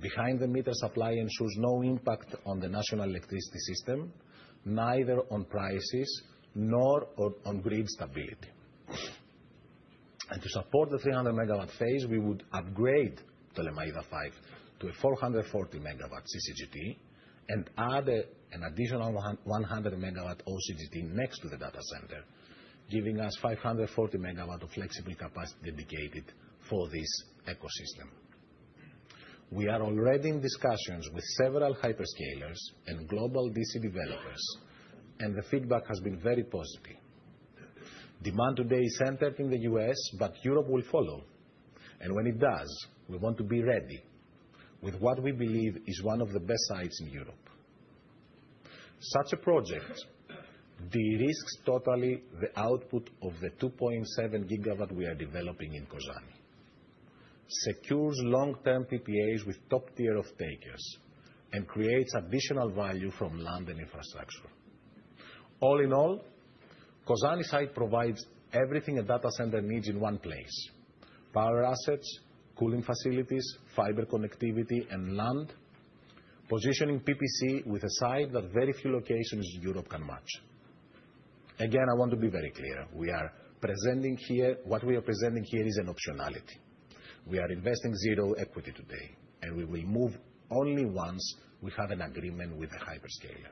Behind the meter supply ensures no impact on the national electricity system, neither on prices nor on grid stability. To support the 300 MW phase, we would upgrade Ptolemaida 5 to a 440 MW CCGT and add an additional 100 MW OCGT next to the data center, giving us 540 MW of flexible capacity dedicated for this ecosystem. We are already in discussions with several hyperscalers and global DC developers, and the feedback has been very positive. Demand today is centered in the U.S., but Europe will follow. When it does, we want to be ready with what we believe is one of the best sites in Europe. Such a project de-risks totally the output of the 2.7 GW we are developing in Kozani, secures long-term PPAs with top-tier off-takers, and creates additional value from land and infrastructure. All in all, Kozani site provides everything a data center needs in one place: power assets, cooling facilities, fiber connectivity, and land, positioning PPC with a site that very few locations in Europe can match. Again, I want to be very clear. What we are presenting here is an optionality. We are investing zero equity today, and we will move only once we have an agreement with a hyperscaler.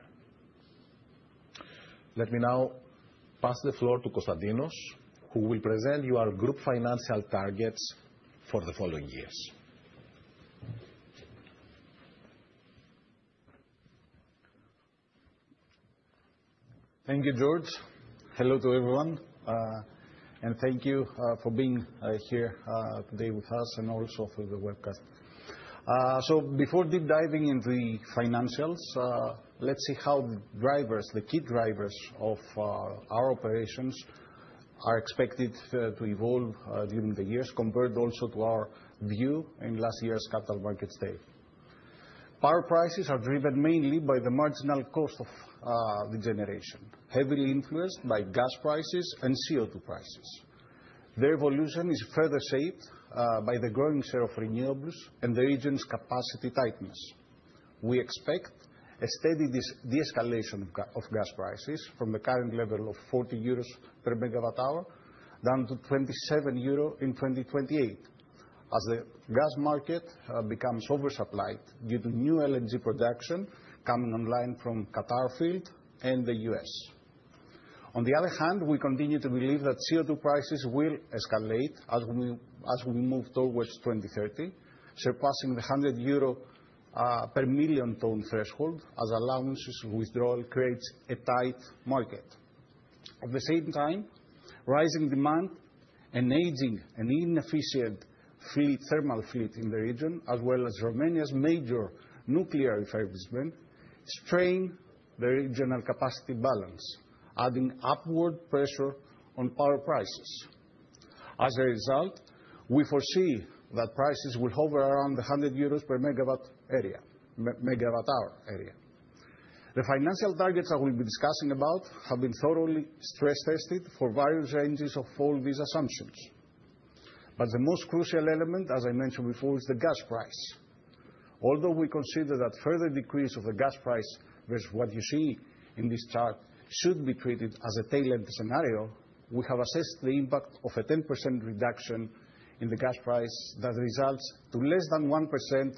Let me now pass the floor to Konstantinos, who will present your Group financial targets for the following years. Thank you, George. Hello to everyone. Thank you for being here today with us and also for the webcast. Before deep diving into the financials, let's see how the drivers, the key drivers of our operations are expected to evolve during the years, compared also to our view in last year's Capital Markets Day. Power prices are driven mainly by the marginal cost of the generation, heavily influenced by Gas prices and CO2 prices. Their evolution is further shaped by the growing share of Renewables and the region's capacity tightness. We expect a steady de-escalation of Gas prices from the current level of 40 euros per MWh down to 27 euro in 2028, as the Gas market becomes oversupplied due to new LNG production coming online from Qatar field and the US. On the other hand, we continue to believe that CO2 prices will escalate as we move towards 2030, surpassing the 100 euro per million ton threshold, as allowances withdrawal creates a tight market. At the same time, rising demand and aging and inefficient thermal fleet in the region, as well as Romania's major nuclear refurbishment, strain the regional capacity balance, adding upward pressure on power prices. As a result, we foresee that prices will hover around the 100 euros per MWh area. The financial targets that we will be discussing about have been thoroughly stress tested for various ranges of all these assumptions. The most crucial element, as I mentioned before, is the Gas price. Although we consider that further decrease of the Gas price versus what you see in this chart should be treated as a tailored scenario, we have assessed the impact of a 10% reduction in the gas price that results in less than 1%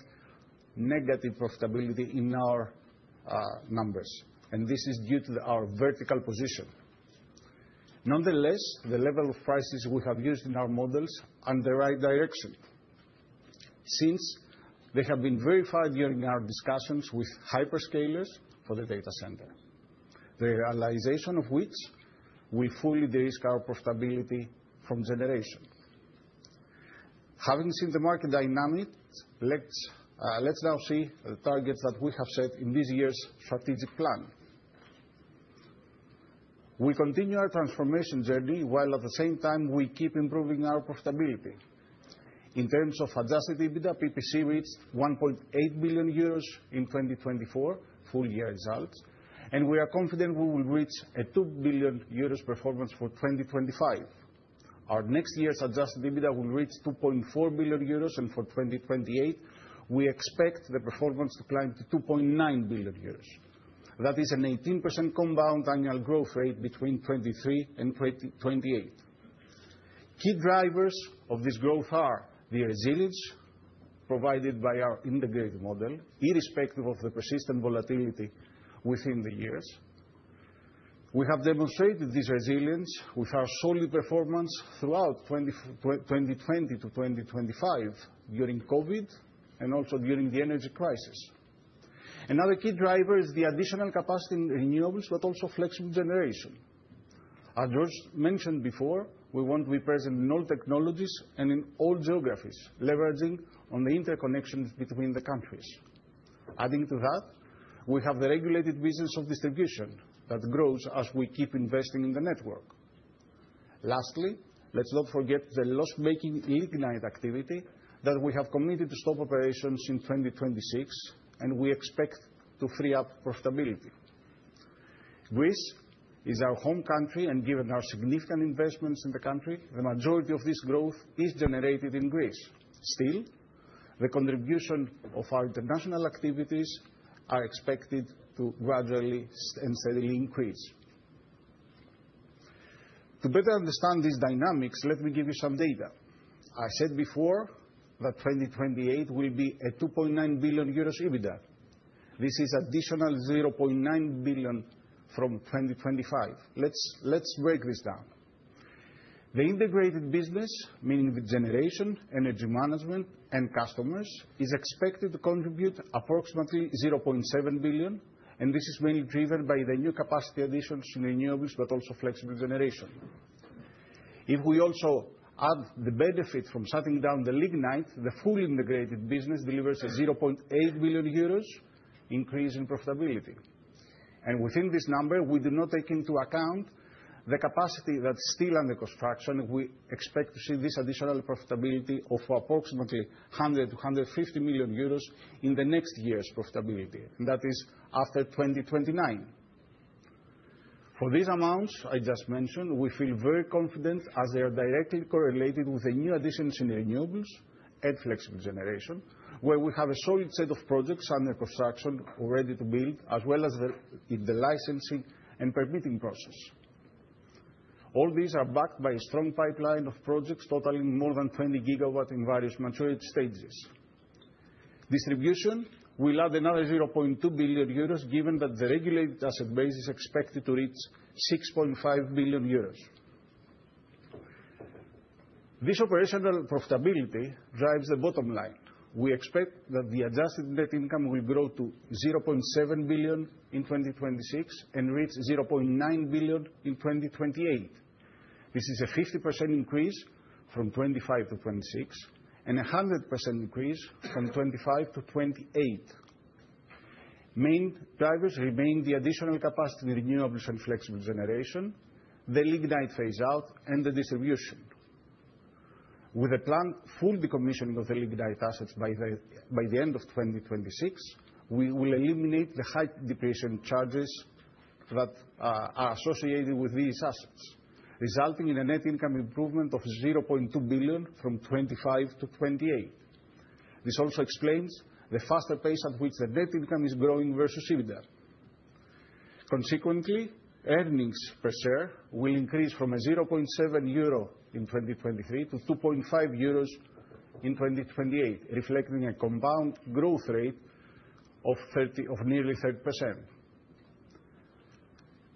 negative profitability in our numbers. This is due to our vertical position. Nonetheless, the level of prices we have used in our models underwrite direction, since they have been verified during our discussions with hyperscalers for the data center, the realization of which will fully de-risk our profitability from generation. Having seen the market dynamic, let's now see the targets that we have set in this year's strategic plan. We continue our transformation journey while at the same time we keep improving our profitability. In terms of adjusted EBITDA, PPC reached 1.8 billion euros in 2024 full year results, and we are confident we will reach a 2 billion euros performance for 2025. Our next year's adjusted EBITDA will reach 2.4 billion euros, and for 2028, we expect the performance to climb to 2.9 billion euros. That is an 18% compound annual growth rate between 2023 and 2028. Key drivers of this growth are the resilience provided by our Integrated model, irrespective of the persistent volatility within the years. We have demonstrated this resilience with our solid performance throughout 2020-2025 during COVID and also during the energy crisis. Another key driver is the additional capacity in Renewables, but also Flexible generation. As George mentioned before, we want to be present in all technologies and in all geographies, leveraging on the interconnections between the countries. Adding to that, we have the regulated business of Distribution that grows as we keep investing in the network. Lastly, let's not forget the loss-making lignite activity that we have committed to stop operations in 2026, and we expect to free up profitability. Greece is our home country, and given our significant investments in the country, the majority of this growth is generated in Greece. Still, the contribution of our international activities is expected to gradually and steadily increase. To better understand these dynamics, let me give you some data. I said before that 2028 will be a 2.9 billion euros EBITDA. This is additional 0.9 billion from 2025. Let's break this down. The Integrated business, meaning the Generation, Energy Management, and customers, is expected to contribute approximately 0.7 billion, and this is mainly driven by the new capacity additions in Renewables, but also Flexible generation. If we also add the benefit from shutting down the Lignite, the fully Integrated business delivers a 0.8 billion euros increase in profitability. Within this number, we do not take into account the capacity that is still under construction. We expect to see this additional profitability of approximately 100 million-150 million euros in the next year's profitability, and that is after 2029. For these amounts I just mentioned, we feel very confident as they are directly correlated with the new additions in Renewables and Flexible generation, where we have a solid set of projects under construction or ready to build, as well as in the licensing and permitting process. All these are backed by a strong pipeline of projects totaling more than 20 GW in various maturity stages. Distribution will add another 0.2 billion euros, given that the regulated asset base is expected to reach 6.5 billion euros. This operational profitability drives the bottom line. We expect that the adjusted net income will grow to 0.7 billion in 2026 and reach 0.9 billion in 2028. This is a 50% increase from 2025-2026 and a 100% increase from 2025-2028. Main drivers remain the additional capacity in renewables and flexible generation, the lignite phase-out, and the distribution. With the planned full decommissioning of the lignite assets by the end of 2026, we will eliminate the high depreciation charges that are associated with these assets, resulting in a net income improvement of 0.2 billion from 2025 - 2028. This also explains the faster pace at which the net income is growing versus EBITDA. Consequently, earnings per share will increase from 0.7 euro in 2023 to 2.5 euros in 2028, reflecting a compound growth rate of nearly 30%.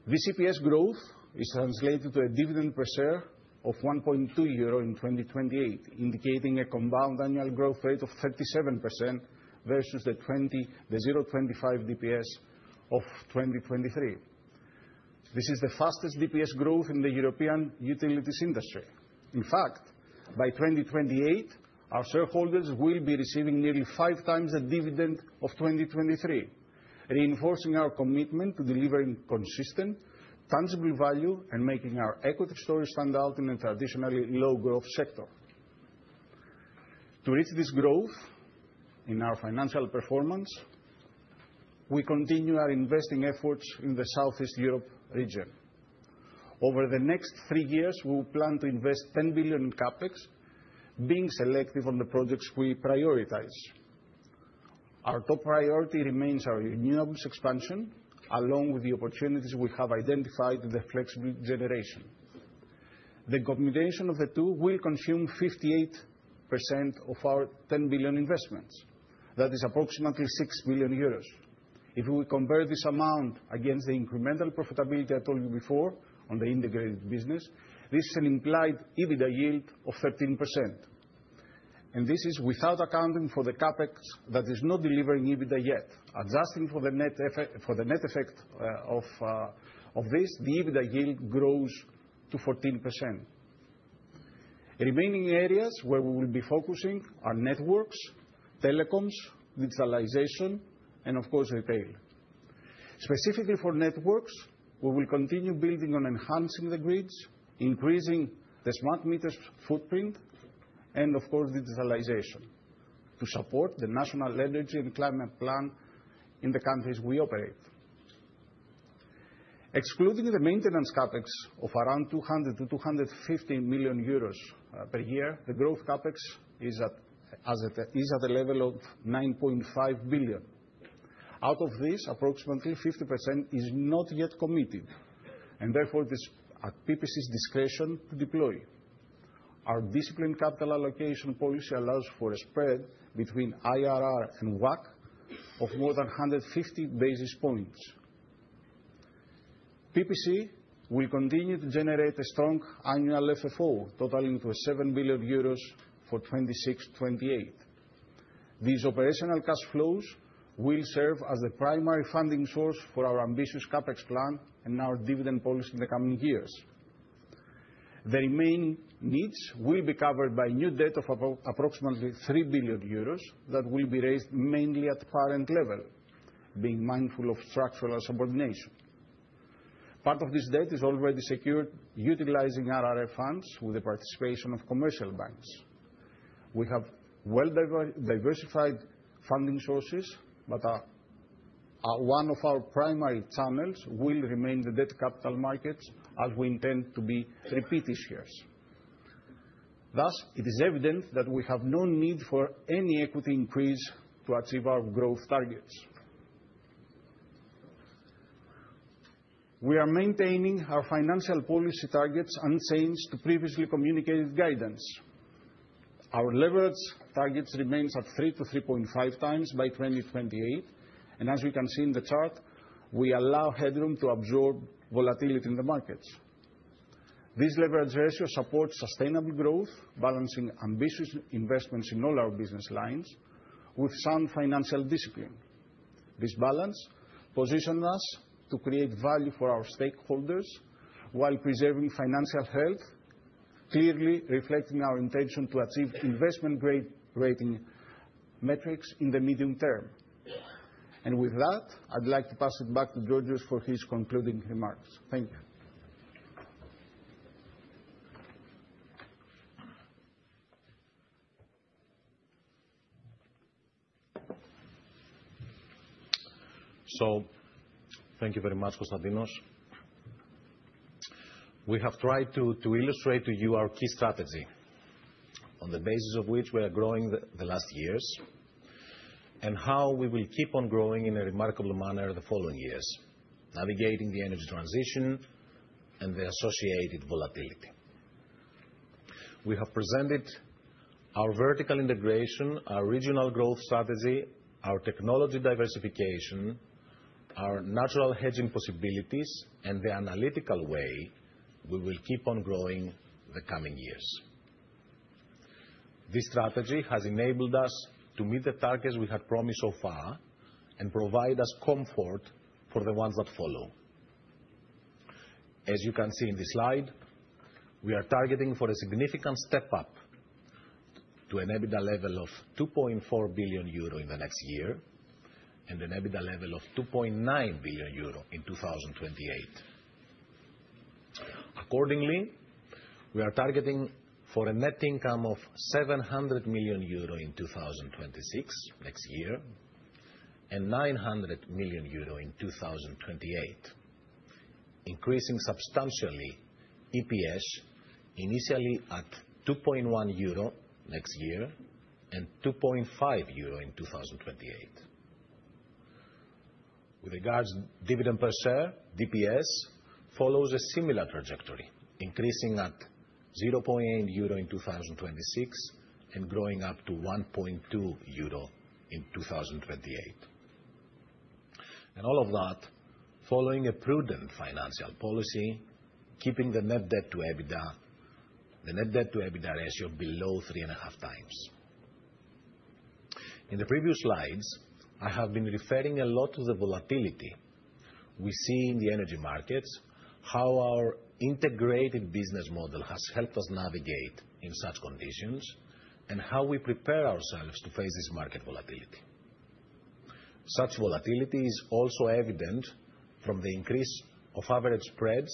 This EPS growth is translated to a dividend per share of 1.2 euro in 2028, indicating a compound annual growth rate of 37% versus the 0.25 DPS of 2023. This is the fastest DPS growth in the European utilities industry. In fact, by 2028, our shareholders will be receiving nearly 5x the dividend of 2023, reinforcing our commitment to delivering consistent, tangible value and making our equity story stand out in a traditionally low-growth sector. To reach this growth in our financial performance, we continue our investing efforts in the Southeast Europe region. Over the next three years, we will plan to invest 10 billion in CapEx, being selective on the projects we prioritize. Our top priority remains our Renewables expansion, along with the opportunities we have identified in the Flexible generation. The combination of the two will consume 58% of our 10 billion investments. That is approximately 6 billion euros. If we compare this amount against the incremental profitability I told you before on the Integrated business, this is an implied EBITDA yield of 13%. This is without accounting for the CapEx that is not delivering EBITDA yet. Adjusting for the net effect of this, the EBITDA yield grows to 14%. Remaining areas where we will be focusing are networks, telecoms, digitalization, and of course, retail. Specifically for networks, we will continue building on enhancing the grids, increasing the smart meter footprint, and of course, digitalization to support the national energy and climate plan in the countries we operate. Excluding the maintenance CapEx of around 200 million-250 million euros per year, the growth CapEx is at a level of 9.5 billion. Out of this, approximately 50% is not yet committed, and therefore it is at PPC's discretion to deploy. Our disciplined capital allocation policy allows for a spread between IRR and WACC of more than 150 basis points. PPC will continue to generate a strong annual FFO totaling to 7 billion euros for 2026-2028. These operational cash flows will serve as the primary funding source for our ambitious CapEx plan and our dividend policy in the coming years. The remaining needs will be covered by new debt of approximately 3 billion euros that will be raised mainly at parent level, being mindful of structural subordination. Part of this debt is already secured utilizing RRF funds with the participation of commercial banks. We have well-diversified funding sources, but one of our primary channels will remain the debt capital markets, as we intend to be repeat this year. Thus, it is evident that we have no need for any equity increase to achieve our growth targets. We are maintaining our financial policy targets unchanged to previously communicated guidance. Our leverage targets remain at 3x-3.5x by 2028, and as we can see in the chart, we allow headroom to absorb volatility in the markets. This leverage ratio supports sustainable growth, balancing ambitious investments in all our business lines with sound financial discipline. This balance positions us to create value for our stakeholders while preserving financial health, clearly reflecting our intention to achieve investment-grade rating metrics in the medium term. I would like to pass it back to Georgios for his concluding remarks. Thank you. Thank you very much, Konstantinos. We have tried to illustrate to you our key strategy, on the basis of which we are growing the last years, and how we will keep on growing in a remarkable manner the following years, navigating the energy transition and the associated volatility. We have presented our vertical integration, our regional growth strategy, our technology diversification, our natural hedging possibilities, and the analytical way we will keep on growing the coming years. This strategy has enabled us to meet the targets we had promised so far and provide us comfort for the ones that follow. As you can see in this slide, we are targeting for a significant step up to an EBITDA level of 2.4 billion euro in the next year and an EBITDA level of 2.9 billion euro in 2028. Accordingly, we are targeting for a net income of 700 million euro in 2026 next year and 900 million euro in 2028, increasing substantially EPS initially at 2.1 euro next year and 2.5 euro in 2028. With regards to dividend per share, DPS follows a similar trajectory, increasing at 0.8 euro in 2026 and growing up to 1.2 euro in 2028. All of that following a prudent financial policy, keeping the net debt to EBITDA, the net debt to EBITDA ratio below 3.5x. In the previous slides, I have been referring a lot to the volatility we see in the energy markets, how our Integrated business model has helped us navigate in such conditions, and how we prepare ourselves to face this market volatility. Such volatility is also evident from the increase of average spreads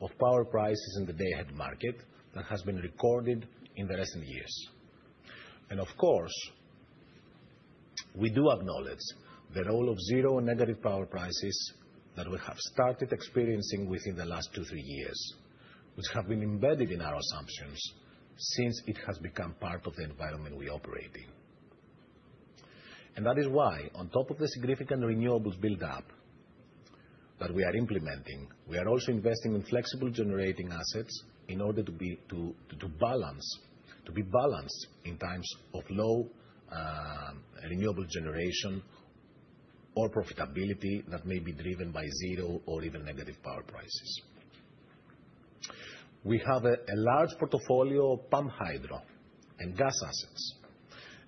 of power prices in the day-ahead market that has been recorded in the recent years. Of course, we do acknowledge the role of zero and negative power prices that we have started experiencing within the last two or three years, which have been embedded in our assumptions since it has become part of the environment we are operating. That is why, on top of the significant renewables build-up that we are implementing, we are also investing in Flexible generating assets in order to be balanced in times of low Renewable generation or profitability that may be driven by zero or even negative power prices. We have a large portfolio of Pump Hydro and Gas assets,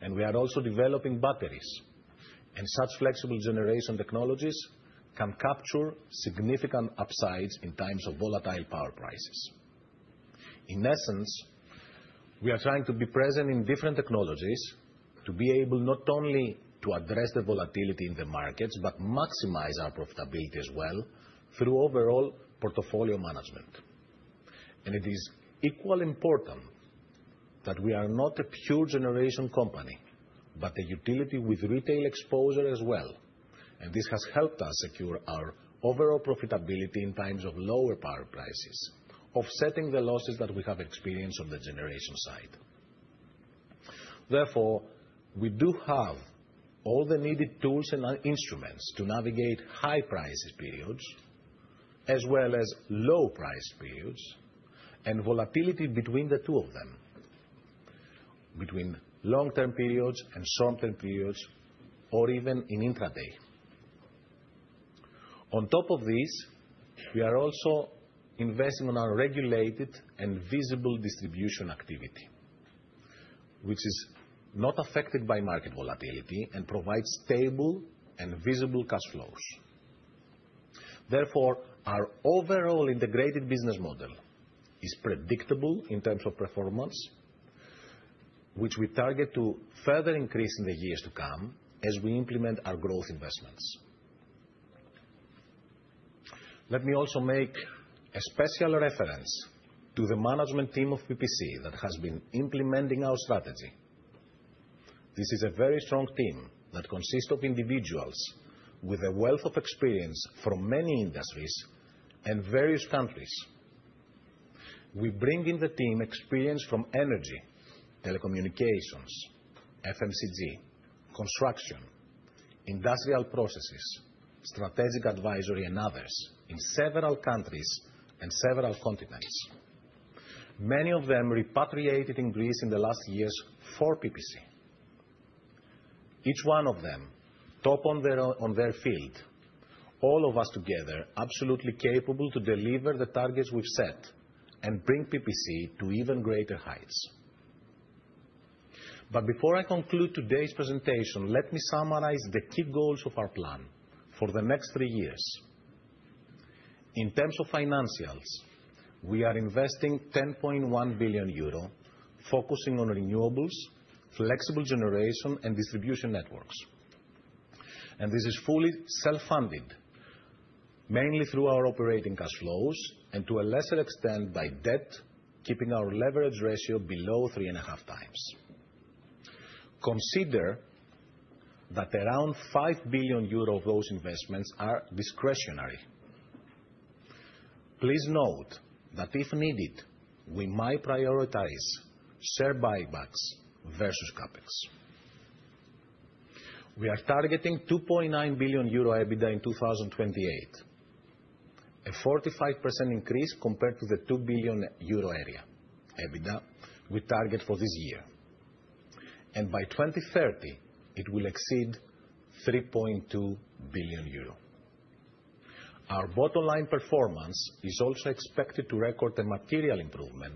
and we are also developing Batteries, and such Flexible generation technologies can capture significant upsides in times of volatile power prices. In essence, we are trying to be present in different technologies to be able not only to address the volatility in the markets, but maximize our profitability as well through overall portfolio management. It is equally important that we are not a pure generation Company, but a utility with retail exposure as well. This has helped us secure our overall profitability in times of lower power prices, offsetting the losses that we have experienced on the generation side. Therefore, we do have all the needed tools and instruments to navigate high price periods, as well as low price periods, and volatility between the two of them, between long-term periods and short-term periods, or even in intraday. On top of this, we are also investing in our regulated and visible distribution activity, which is not affected by market volatility and provides stable and visible cash flows. Therefore, our overall Integrated business model is predictable in terms of performance, which we target to further increase in the years to come as we implement our growth investments. Let me also make a special reference to the management team of PPC that has been implementing our strategy. This is a very strong team that consists of individuals with a wealth of experience from many industries and various countries. We bring in the team experience from energy, telecommunications, FMCG, construction, industrial processes, strategic advisory, and others in several countries and several continents. Many of them repatriated in Greece in the last years for PPC. Each one of them tops on their field. All of us together, absolutely capable to deliver the targets we've set and bring PPC to even greater heights. Before I conclude today's presentation, let me summarize the key goals of our plan for the next three years. In terms of financials, we are investing 10.1 billion euro, focusing on Renewables, Flexible generation, and Distribution networks. This is fully self-funded, mainly through our operating cash flows and to a lesser extent by debt, keeping our leverage ratio below 3.5x. Consider that around 5 billion euros of those investments are discretionary. Please note that if needed, we might prioritize share buybacks versus CapEx. We are targeting 2.9 billion euro EBITDA in 2028, a 45% increase compared to the 2 billion euro area EBITDA we target for this year. By 2030, it will exceed 3.2 billion euro. Our bottom-line performance is also expected to record a material improvement,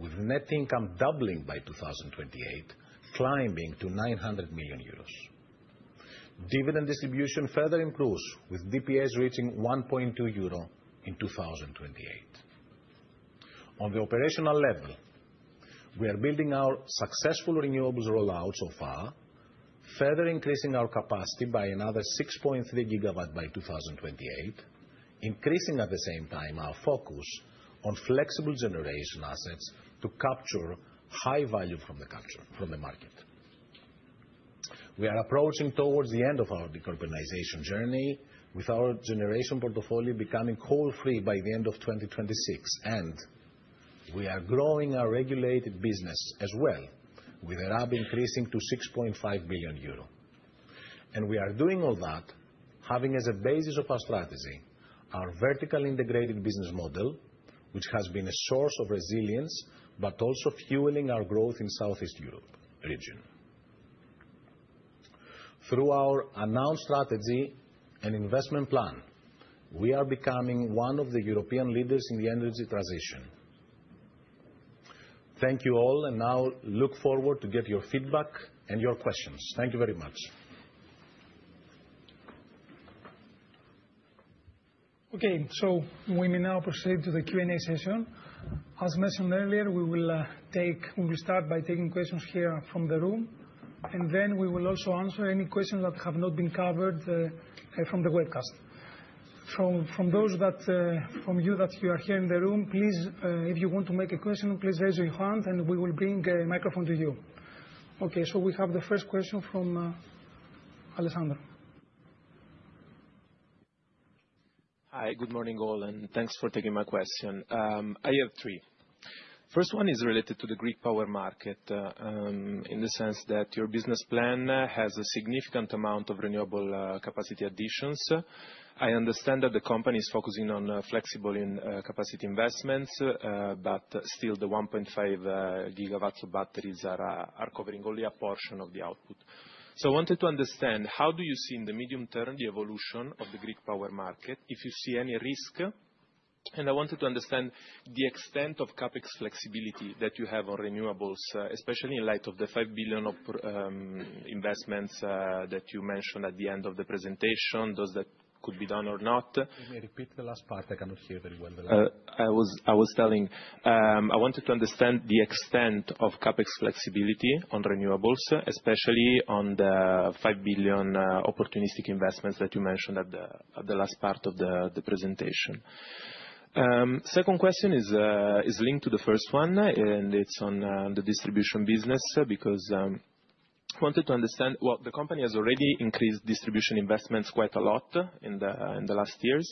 with net income doubling by 2028, climbing to 900 million euros. Dividend distribution further improves, with DPS reaching 1.2 euro in 2028. On the operational level, we are building our successful renewables rollout so far, further increasing our capacity by another 6.3 GW by 2028, increasing at the same time our focus on Flexible generation assets to capture high value from the market. We are approaching towards the end of our decarbonization journey, with our Generation portfolio becoming coal-free by the end of 2026, and we are growing our Regulated business as well, with a RAB increasing to 6.5 billion euro. We are doing all that having as a basis of our strategy our vertically Integrated business model, which has been a source of resilience, but also fueling our growth in the Southeast Europe region. Through our announced strategy and investment plan, we are becoming one of the European leaders in the energy transition. Thank you all, and I look forward to getting your feedback and your questions. Thank you very much. Okay, we may now proceed to the Q&A session. As mentioned earlier, we will start by taking questions here from the room, and then we will also answer any questions that have not been covered from the webcast. From you that you are here in the room, please, if you want to make a question, please raise your hand, and we will bring a microphone to you. Okay, we have the first question from Alessandro. Hi, good morning all, and thanks for taking my question. I have three. The first one is related to the Greek power market in the sense that your Business Plan has a significant amount of Renewable capacity additions. I understand that the Company is focusing on flexible capacity investments, but still the 1.5 GW of Batteries are covering only a portion of the output. I wanted to understand how do you see in the medium term the evolution of the Greek power market, if you see any risk, and I wanted to understand the extent of CapEx flexibility that you have on renewables, especially in light of the 5 billion investments that you mentioned at the end of the presentation, those that could be done or not. Can you repeat the last part? I cannot hear very well. I was telling. I wanted to understand the extent of CapEx flexibility on Renewables, especially on the 5 billion opportunistic investments that you mentioned at the last part of the presentation. The second question is linked to the first one, and it's on the Distribution business because I wanted to understand, well, the Company has already increased distribution investments quite a lot in the last years.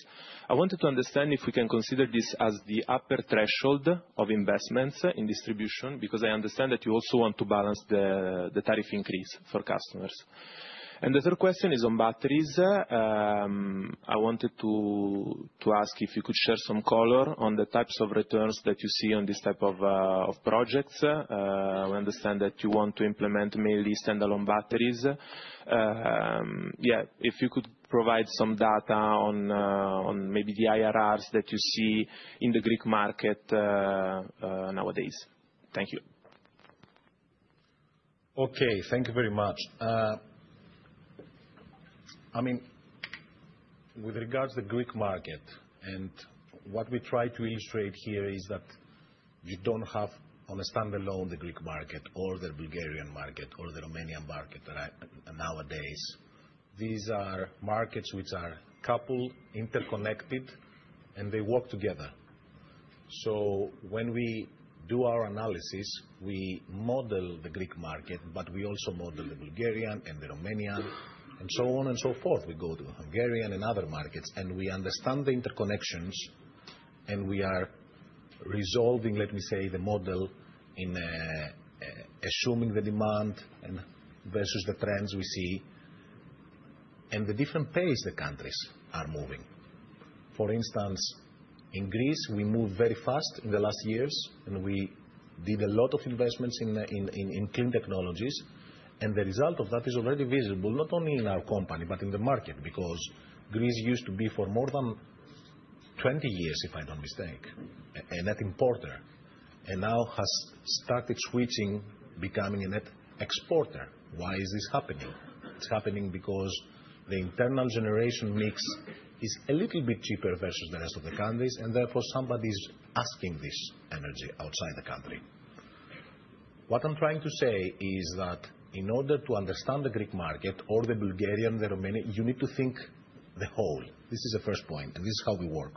I wanted to understand if we can consider this as the upper threshold of investments in distribution because I understand that you also want to balance the tariff increase for customers. The third question is on Batteries. I wanted to ask if you could share some color on the types of returns that you see on this type of projects. I understand that you want to implement mainly standalone Batteries. Yeah, if you could provide some data on maybe the IRRs that you see in the Greek market nowadays. Thank you. Okay, thank you very much. I mean, with regards to the Greek market, and what we try to illustrate here is that you do not have on a standalone the Greek market or the Bulgarian market or the Romanian market nowadays. These are markets which are coupled, interconnected, and they work together. When we do our analysis, we model the Greek market, but we also model the Bulgarian and the Romanian and so on and so forth. We go to Hungarian and other markets, and we understand the interconnections, and we are resolving, let me say, the model in assuming the demand versus the trends we see and the different pace the countries are moving. For instance, in Greece, we moved very fast in the last years, and we did a lot of investments in clean technologies, and the result of that is already visible not only in our Company but in the market because Greece used to be for more than 20 years, if I do not mistake, a net importer, and now has started switching, becoming a net exporter. Why is this happening? It's happening because the internal generation mix is a little bit cheaper versus the rest of the countries, and therefore somebody is asking this energy outside the country. What I'm trying to say is that in order to understand the Greek market or the Bulgarian and the Romanian, you need to think the whole. This is the first point, and this is how we work.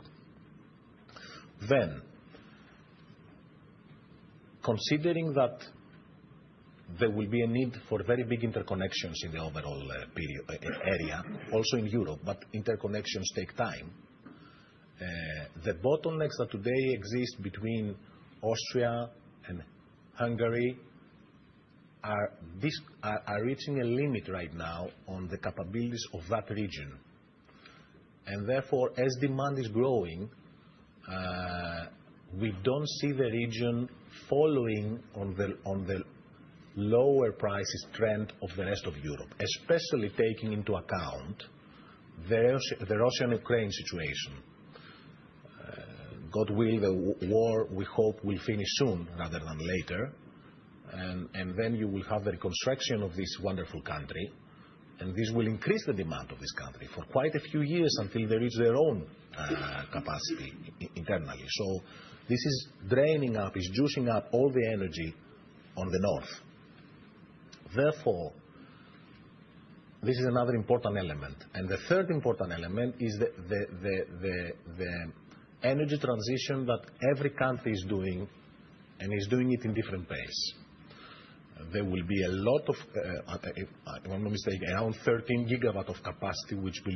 Then, considering that there will be a need for very big interconnections in the overall area, also in Europe, but interconnections take time, the bottlenecks that today exist between Austria and Hungary are reaching a limit right now on the capabilities of that region. Therefore, as demand is growing, we don't see the region following on the lower prices trend of the rest of Europe, especially taking into account the Russia and Ukraine situation. God will, the war we hope will finish soon rather than later, and then you will have the reconstruction of this wonderful country, and this will increase the demand of this country for quite a few years until they reach their own capacity internally. This is draining up, is juicing up all the energy on the north. Therefore, this is another important element. The third important element is the energy transition that every country is doing, and it is doing it at a different pace. There will be a lot of, if I'm not mistaken, around 13 GW of capacity which will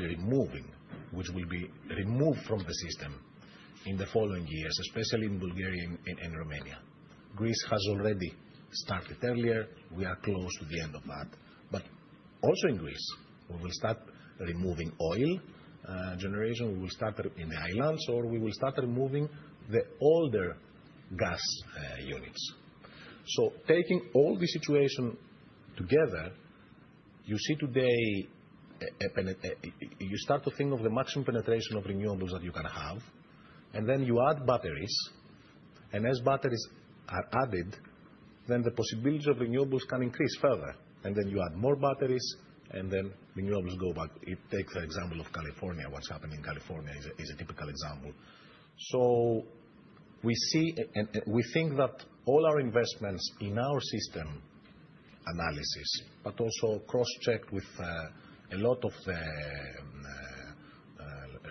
be removed from the system in the following years, especially in Bulgaria and Romania. Greece has already started earlier. We are close to the end of that. Also in Greece, we will start removing oil generation. We will start in the islands, or we will start removing the older gas units. Taking all the situation together, you see today you start to think of the maximum penetration of Renewables that you can have, and then you add Batteries. As Batteries are added, then the possibilities of Renewables can increase further. You add more Batteries, and then Renewables go back. It takes the example of California. What's happening in California is a typical example. We see and we think that all our investments in our system analysis, but also cross-checked with a lot of the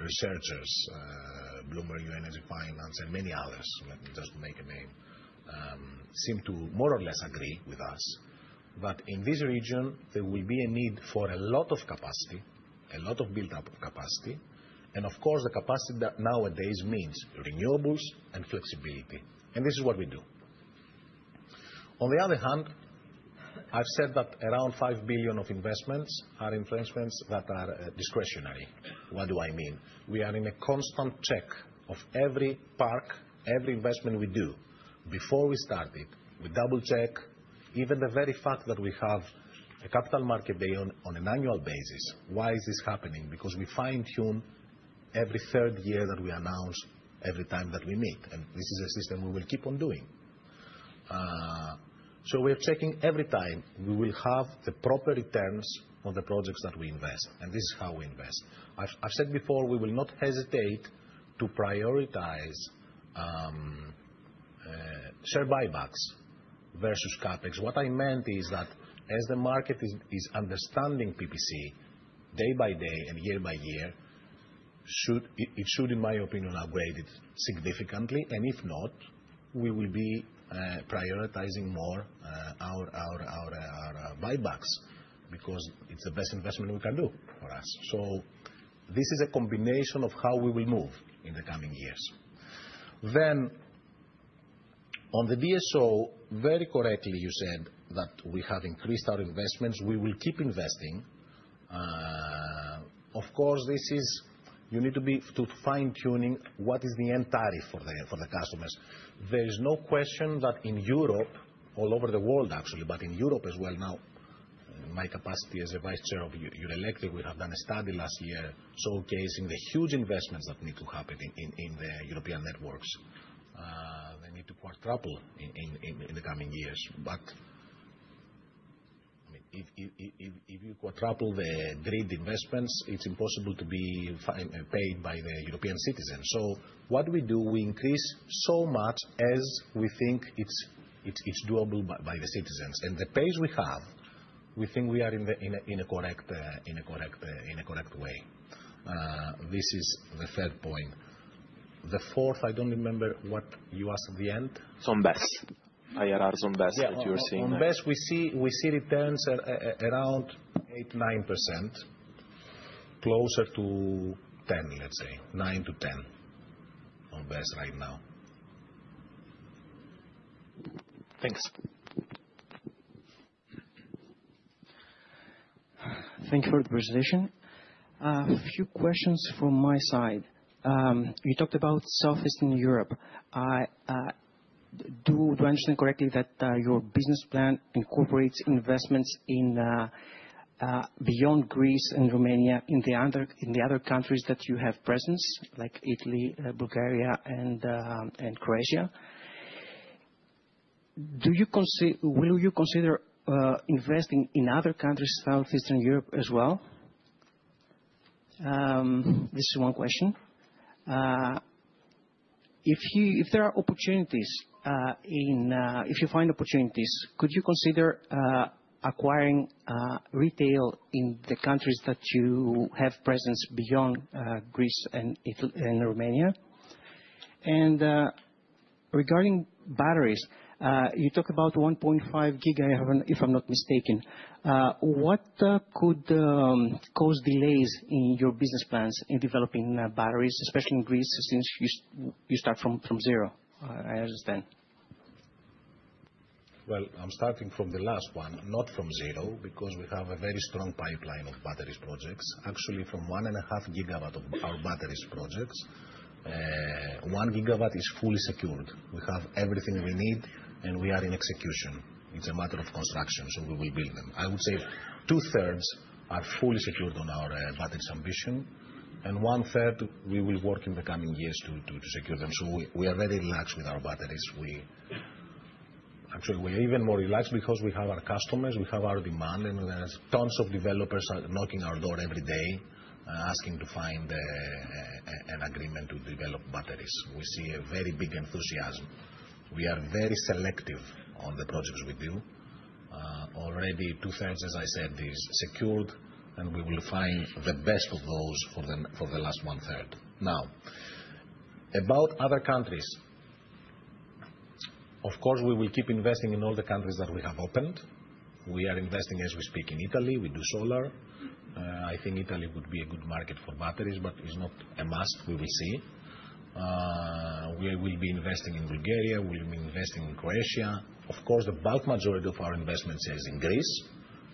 researchers, BloombergNEF, and many others, let me just make a name, seem to more or less agree with us. In this region, there will be a need for a lot of capacity, a lot of built-up capacity, and of course, the capacity that nowadays means Renewables and flexibility. This is what we do. On the other hand, I've said that around 5 billion of investments are investments that are discretionary. What do I mean? We are in a constant check of every park, every investment we do. Before we started, we double-check even the very fact that we have a Capital Market Day on an annual basis. Why is this happening? Because we fine-tune every third year that we announce, every time that we meet. This is a system we will keep on doing. We are checking every time we will have the proper returns on the projects that we invest. This is how we invest. I've said before we will not hesitate to prioritize share buybacks versus CapEx. What I meant is that as the market is understanding PPC day by day and year by year, it should, in my opinion, have graded significantly. If not, we will be prioritizing more our buybacks because it's the best investment we can do for us. This is a combination of how we will move in the coming years. On the DSO, very correctly, you said that we have increased our investments. We will keep investing. Of course, you need to be fine-tuning what is the end tariff for the customers. There is no question that in Europe, all over the world actually, but in Europe as well now, my capacity as a Vice Chair of Eurelectric, we have done a study last year showcasing the huge investments that need to happen in the European networks. They need to quadruple in the coming years. If you quadruple the grid investments, it's impossible to be paid by the European citizens. What we do, we increase so much as we think it's doable by the citizens. The pace we have, we think we are in a correct way. This is the third point. The fourth, I don't remember what you asked at the end. Zombies. IRR Zombies that you're seeing. Yeah, Zombies, we see returns around 8%, 9%, closer to 10%, let's say, 9%-10% on base right now. Thanks. Thank you for the presentation. A few questions from my side. You talked about Southeast Europe. Do I understand correctly that your Business Plan incorporates investments beyond Greece and Romania in the other countries that you have presence, like Italy, Bulgaria, and Croatia? Will you consider investing in other countries in Southeast Europe as well? This is one question. If there are opportunities, if you find opportunities, could you consider acquiring Retail in the countries that you have presence beyond Greece and Romania? Regarding Batteries, you talk about 1.5 GW, if I'm not mistaken. What could cause delays in your business plans in developing Batteries, especially in Greece, since you start from zero? I understand. I'm starting from the last one, not from zero, because we have a very strong pipeline of Batteries projects. Actually, from 1.5 GW of our Batteries projects, 1 GW is fully secured. We have everything we need, and we are in execution. It is a matter of construction, so we will build them. I would say 2/3 are fully secured on our Batteries ambition, and 1/3 we will work in the coming years to secure them. We are very relaxed with our Batteries. Actually, we are even more relaxed because we have our customers, we have our demand, and there are tons of developers knocking our door every day asking to find an agreement to develop Batteries. We see a very big enthusiasm. We are very selective on the projects we do. Already two-thirds, as I said, is secured, and we will find the best of those for the last one-third. Now, about other countries. Of course, we will keep investing in all the countries that we have opened. We are investing as we speak in Italy. We do solar. I think Italy would be a good market for Batteries, but it's not a must. We will see. We will be investing in Bulgaria. We will be investing in Croatia. Of course, the bulk majority of our investments is in Greece,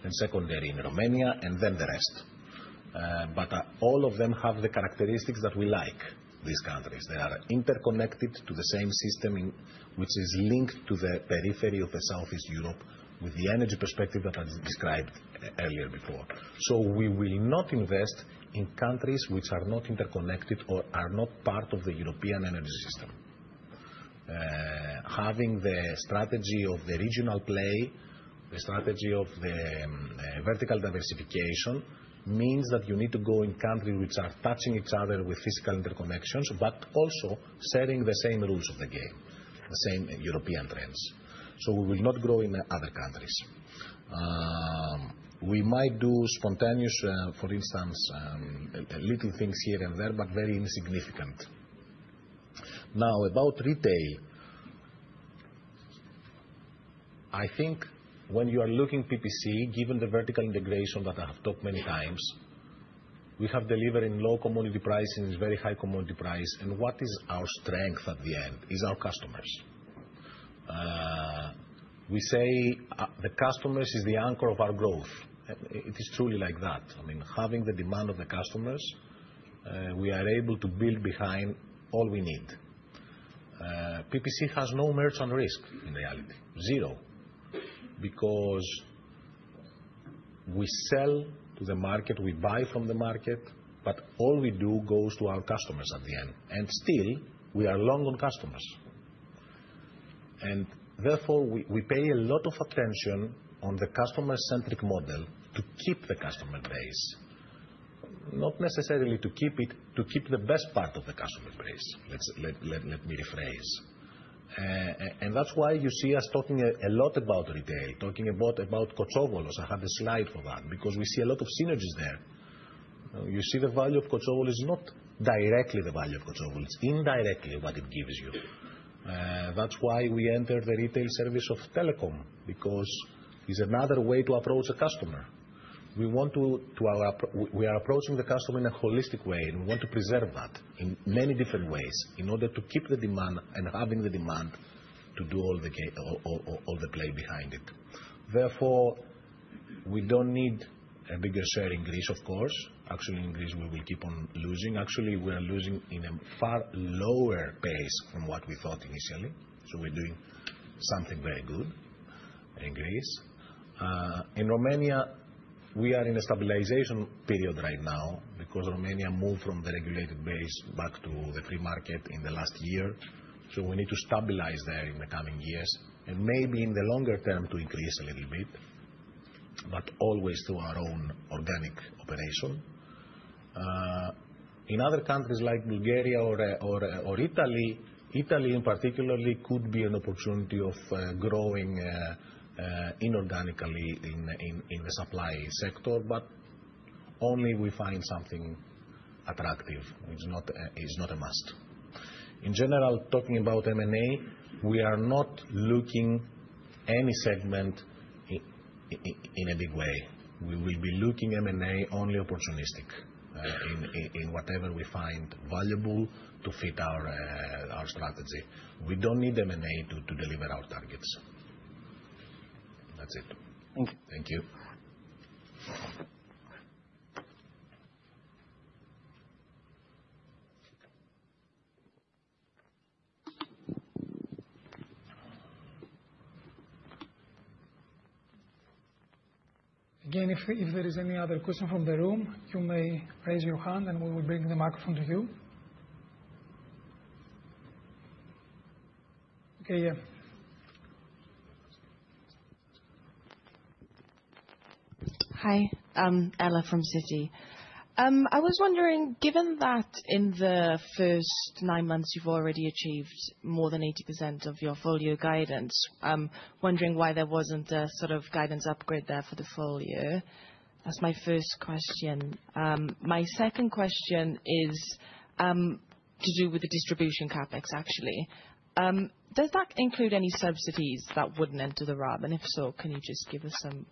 then secondary in Romania, and then the rest. All of them have the characteristics that we like these countries. They are interconnected to the same system, which is linked to the periphery of Southeast Europe with the energy perspective that I described earlier before. We will not invest in countries which are not interconnected or are not part of the European energy system. Having the strategy of the regional play, the strategy of the vertical diversification means that you need to go in countries which are touching each other with physical interconnections, but also setting the same rules of the game, the same European trends. We will not grow in other countries. We might do spontaneous, for instance, little things here and there, but very insignificant. Now, about Retail, I think when you are looking at PPC, given the vertical integration that I have talked many times, we have delivered in low commodity pricing, very high commodity price, and what is our strength at the end is our customers. We say the customers is the anchor of our growth. It is truly like that. I mean, having the demand of the customers, we are able to build behind all we need. PPC has no merchant risk in reality, zero, because we sell to the market, we buy from the market, but all we do goes to our customers at the end. Still, we are long-term customers. Therefore, we pay a lot of attention on the customer-centric model to keep the customer base, not necessarily to keep it, to keep the best part of the customer base. Let me rephrase. That is why you see us talking a lot about Retail, talking about Kotsovolos. I have a slide for that because we see a lot of synergies there. You see the value of Kotsovolos is not directly the value of Kotsovolos. It is indirectly what it gives you. That is why we entered the Retail service of telecom because it is another way to approach a customer. We are approaching the customer in a holistic way, and we want to preserve that in many different ways in order to keep the demand and having the demand to do all the play behind it. Therefore, we do not need a bigger share in Greece, of course. Actually, in Greece, we will keep on losing. Actually, we are losing at a far lower pace from what we thought initially. So we are doing something very good in Greece. In Romania, we are in a stabilization period right now because Romania moved from the regulated base back to the free market in the last year. We need to stabilize there in the coming years and maybe in the longer term to increase a little bit, but always through our own organic operation. In other countries like Bulgaria or Italy, Italy in particular could be an opportunity of growing inorganically in the supply sector, but only if we find something attractive. It is not a must. In general, talking about M&A, we are not looking at any segment in a big way. We will be looking at M&A only opportunistically in whatever we find valuable to fit our strategy. We don't need M&A to deliver our targets. That's it. Thank you. Thank you. Again, if there is any other question from the room, you may raise your hand, and we will bring the microphone to you. Okay, yeah. Hi, I'm Ella from Citi. I was wondering, given that in the first nine months you've already achieved more than 80% of your full-year guidance, I'm wondering why there wasn't a sort of guidance upgrade there for the full year. That's my first question. My second question is to do with the distribution CapEx, actually. Does that include any subsidies that wouldn't enter the RAB? And if so, can you just give us some?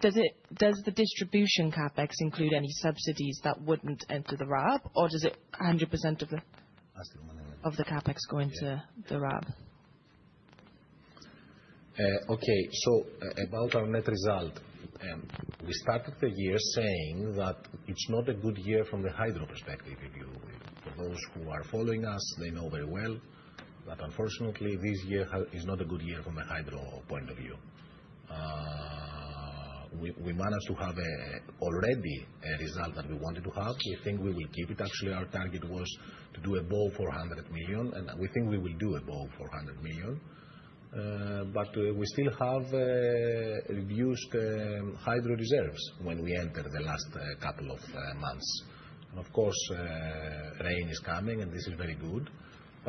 Does the distribution CapEx include any subsidies that wouldn't enter the RAB, or does 100% of the CapEx go into the RAB? Okay, so about our net result, we started the year saying that it's not a good year from the Hydro perspective. For those who are following us, they know very well that unfortunately, this year is not a good year from a Hydro point of view. We managed to have already a result that we wanted to have. We think we will keep it. Actually, our target was to do above 400 million, and we think we will do above 400 million. We still have reduced Hydro reserves when we entered the last couple of months. Of course, rain is coming, and this is very good.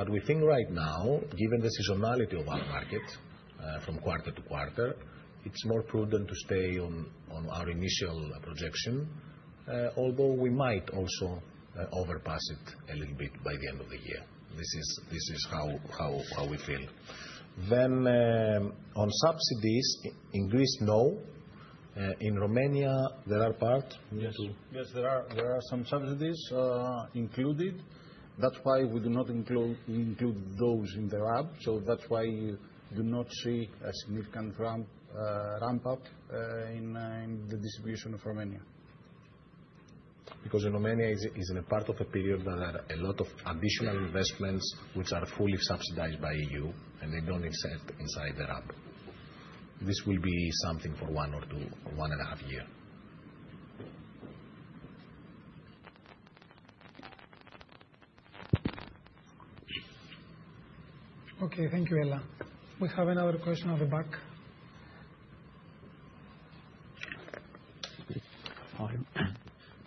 We think right now, given the seasonality of our market from quarter-to-quarter, it's more prudent to stay on our initial projection, although we might also overpass it a little bit by the end of the year. This is how we feel. On subsidies, in Greece, no. In Romania, there are part? Yes, there are some subsidies included. That is why we do not include those in the RAB. That is why you do not see a significant ramp-up in the distribution of Romania. Because Romania is in a part of a period that there are a lot of additional investments which are fully subsidized by the EU, and they do not insert inside the RAB. This will be something for one or two or one and a half years. Okay, thank you, Ella. We have another question on the back.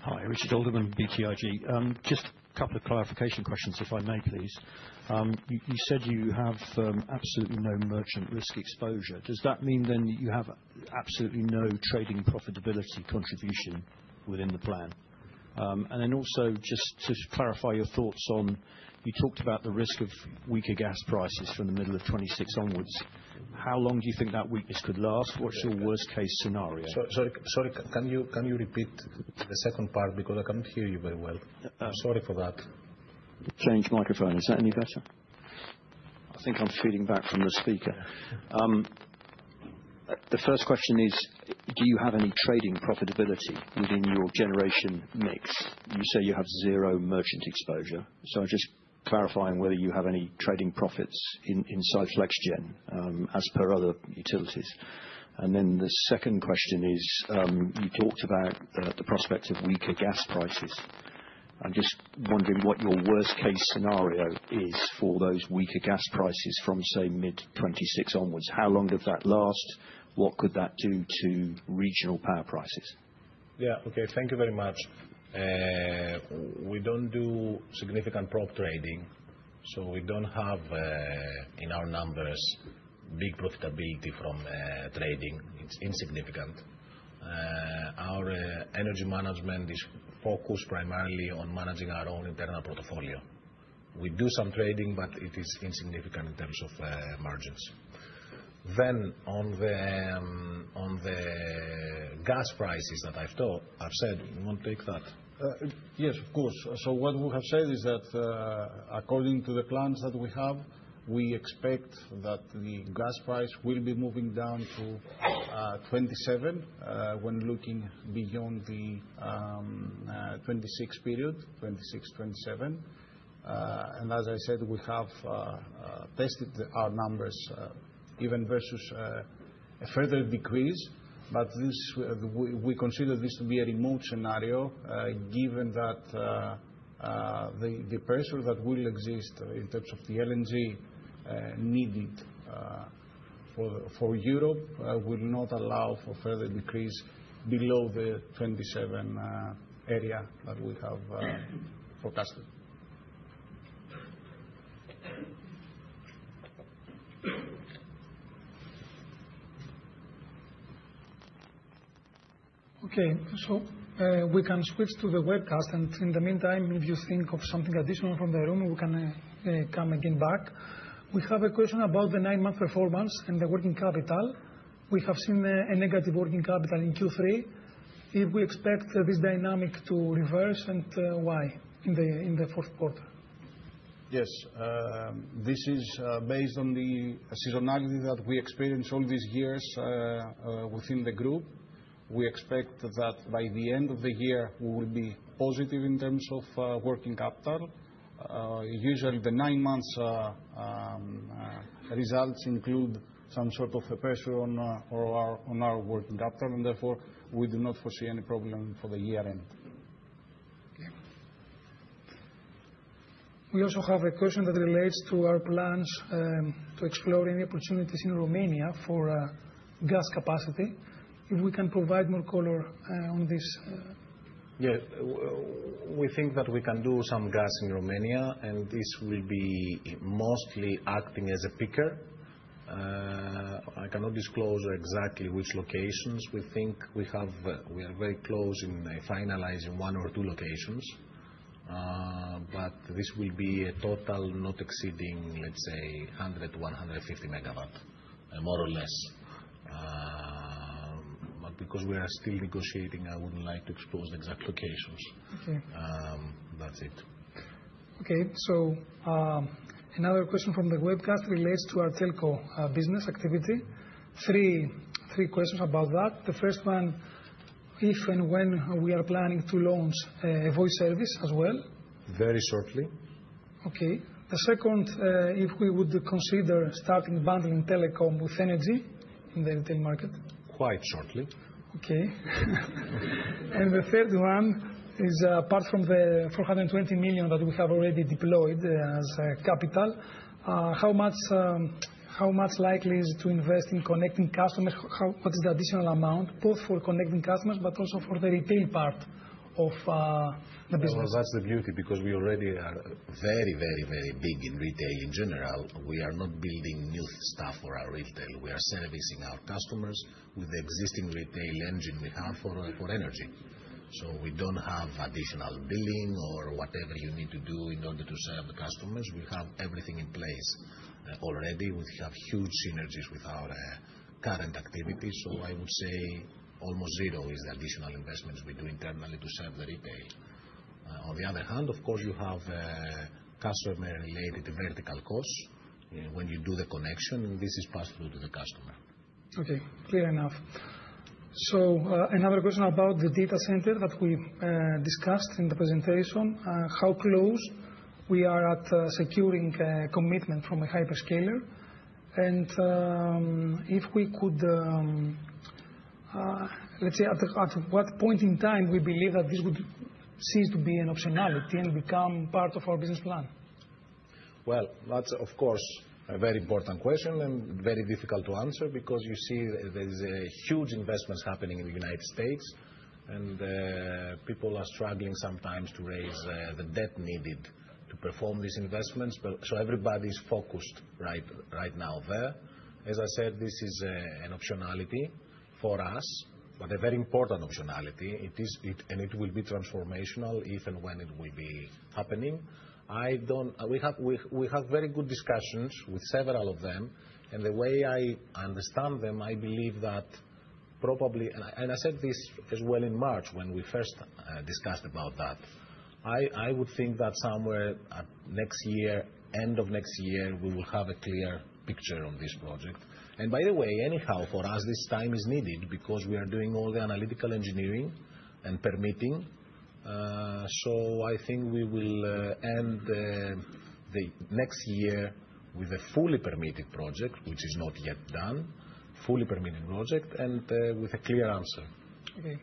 Hi, Richard Alderman, BTIG. Just a couple of clarification questions, if I may, please. You said you have absolutely no merchant risk exposure. Does that mean that you have absolutely no trading profitability contribution within the plan? Just to clarify your thoughts on, you talked about the risk of weaker gas prices from the middle of 2026 onwards. How long do you think that weakness could last? What's your worst-case scenario? Sorry, can you repeat the second part? Because I can't hear you very well. I'm sorry for that. Change microphone. Is that any better? I think I'm feeding back from the speaker. The first question is, do you have any trading profitability within your generation mix? You say you have zero merchant exposure. I'm just clarifying whether you have any trading profits inside FlexGen as per other utilities. The second question is, you talked about the prospect of weaker Gas prices. I'm just wondering what your worst-case scenario is for those weaker Gas prices from, say, mid-2026 onwards. How long does that last? What could that do to regional power prices? Yeah, okay. Thank you very much. We do not do significant prop trading, so we do not have in our numbers big profitability from trading. It is insignificant. Our energy management is focused primarily on managing our own internal portfolio. We do some trading, but it is insignificant in terms of margins. On the Gas prices that I have said, you want to take that? Yes, of course. What we have said is that according to the plans that we have, we expect that the Gas price will be moving down to 2027 when looking beyond the 2026 period, 2026, 2027. As I said, we have tested our numbers even versus a further decrease, but we consider this to be a remote scenario given that the pressure that will exist in terms of the LNG needed for Europe will not allow for further decrease below the 2027 area that we have forecasted. Okay, we can switch to the webcast, and in the meantime, if you think of something additional from the room, we can come back. We have a question about the nine-month performance and the working capital. We have seen a negative working capital in Q3. If we expect this dynamic to reverse, and why in the fourth quarter? Yes, this is based on the seasonality that we experienced all these years within the Group. We expect that by the end of the year, we will be positive in terms of working capital. Usually, the nine-month results include some sort of a pressure on our working capital, and therefore, we do not foresee any problem for the year-end. Okay. We also have a question that relates to our plans to explore any opportunities in Romania for Gas capacity. If we can provide more color on this. Yeah, we think that we can do some Gas in Romania, and this will be mostly acting as a peaker. I cannot disclose exactly which locations. We think we are very close in finalizing one or two locations, but this will be a total not exceeding, let's say, 100 MW-150 MW, more or less. Because we are still negotiating, I would not like to expose the exact locations. That's it. Okay, another question from the webcast relates to our telco business activity. Three questions about that. The first one, if and when we are planning to launch a voice service as well? Very shortly. Okay. The second, if we would consider starting bundling telecom with energy in the Retail market? Quite shortly. Okay. The third one is, apart from the 420 million that we have already deployed as capital, how much likely is it to invest in connecting customers? What is the additional amount, both for connecting customers but also for the Retail part of the business? That is the beauty because we already are very, very, very big in retail in general. We are not building new stuff for our retail. We are servicing our customers with the existing retail engine we have for energy. We do not have additional billing or whatever you need to do in order to serve the customers. We have everything in place already. We have huge synergies with our current activities. I would say almost zero is the additional investments we do internally to serve the Retail. On the other hand, of course, you have customer-related vertical costs when you do the connection, and this is passed through to the customer. Okay, clear enough. Another question about the data center that we discussed in the presentation, how close we are at securing a commitment from a hyperscaler. If we could, at what point in time we believe that this would cease to be an optionality and become part of our Business Plan? That is, of course, a very important question and very difficult to answer because you see there is a huge investment happening in the United States, and people are struggling sometimes to raise the debt needed to perform these investments. Everybody is focused right now there. As I said, this is an optionality for us, but a very important optionality. It will be transformational if and when it will be happening. We have very good discussions with several of them. The way I understand them, I believe that probably—I said this as well in March when we first discussed about that—I would think that somewhere at end of next year, we will have a clear picture on this project. By the way, anyhow, for us, this time is needed because we are doing all the analytical engineering and permitting. I think we will end the next year with a fully permitted project, which is not yet done, fully permitted project, and with a clear answer. Okay.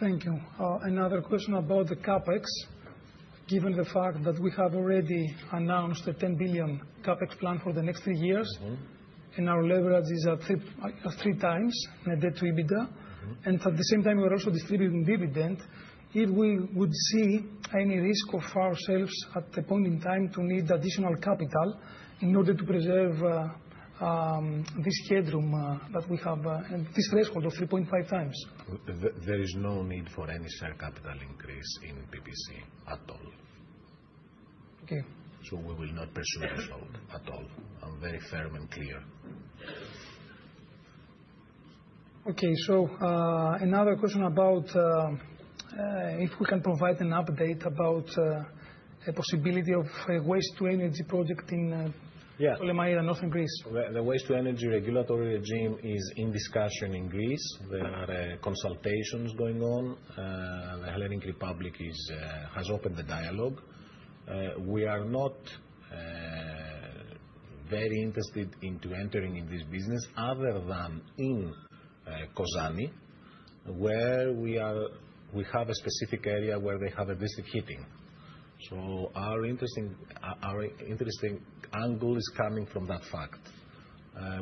Thank you. Another question about the CapEx, given the fact that we have already announced a 10 billion CapEx plan for the next three years, and our leverage is at 3x net EBITDA, and at the same time, we are also distributing dividend. If we would see any risk of ourselves at the point in time to need additional capital in order to preserve this headroom that we have and this threshold of 3.5x? There is no need for any share capital increase in PPC at all. We will not pursue this road at all. I'm very firm and clear. Okay, another question about if we can provide an update about the possibility of a waste-to-energy project in Polyrrhenia, Northern Greece. The waste-to-energy regulatory regime is in discussion in Greece. There are consultations going on. The Hellenic Republic has opened the dialogue. We are not very interested in entering in this business other than in Kozani, where we have a specific area where they have a district heating. Our interesting angle is coming from that fact.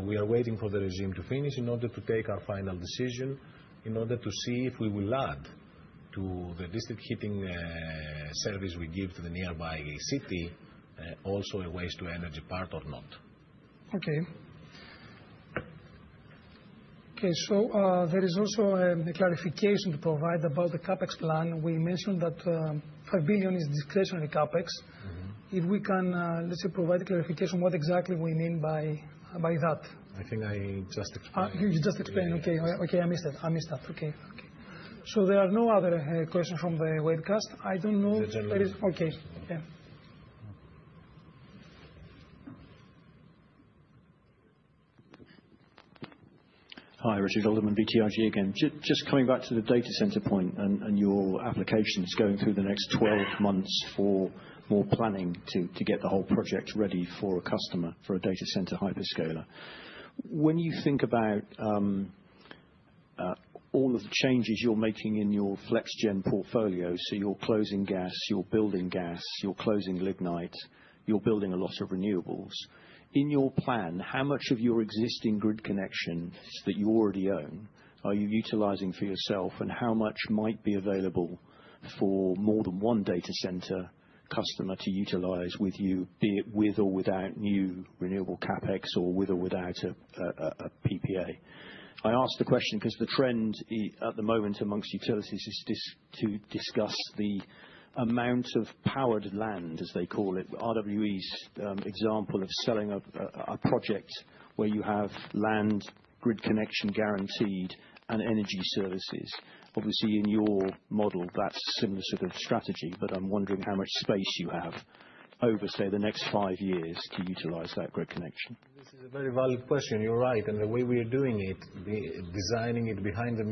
We are waiting for the regime to finish in order to take our final decision in order to see if we will add to the district heating service we give to the nearby city also a waste-to-energy part or not. Okay. Okay, there is also a clarification to provide about the CapEx plan. We mentioned that 5 billion is discretionary CapEx. If we can, let's say, provide a clarification on what exactly we mean by that. I think I just explained. You just explained. Okay, I missed that. I missed that. Okay. Okay. There are no other questions from the webcast. I don't know. Okay. Yeah. Hi, Richard Alderman, BTIG again. Just coming back to the data center point and your applications going through the next 12 months for more planning to get the whole project ready for a customer, for a data center hyperscaler. When you think about all of the changes you're making in your FlexGen portfolio, so you're closing Gas, you're building Gas, you're closing Lignite, you're building a lot of Renewables. In your plan, how much of your existing grid connections that you already own are you utilizing for yourself, and how much might be available for more than one data center customer to utilize with you, be it with or without new Renewable CapEx or with or without a PPA? I asked the question because the trend at the moment amongst utilities is to discuss the amount of powered land, as they call it, RWE's example of selling a project where you have land, grid connection guaranteed, and energy services. Obviously, in your model, that's a similar sort of strategy, but I'm wondering how much space you have over, say, the next five years to utilize that grid connection. This is a very valid question. You're right. The way we're doing it, designing it behind the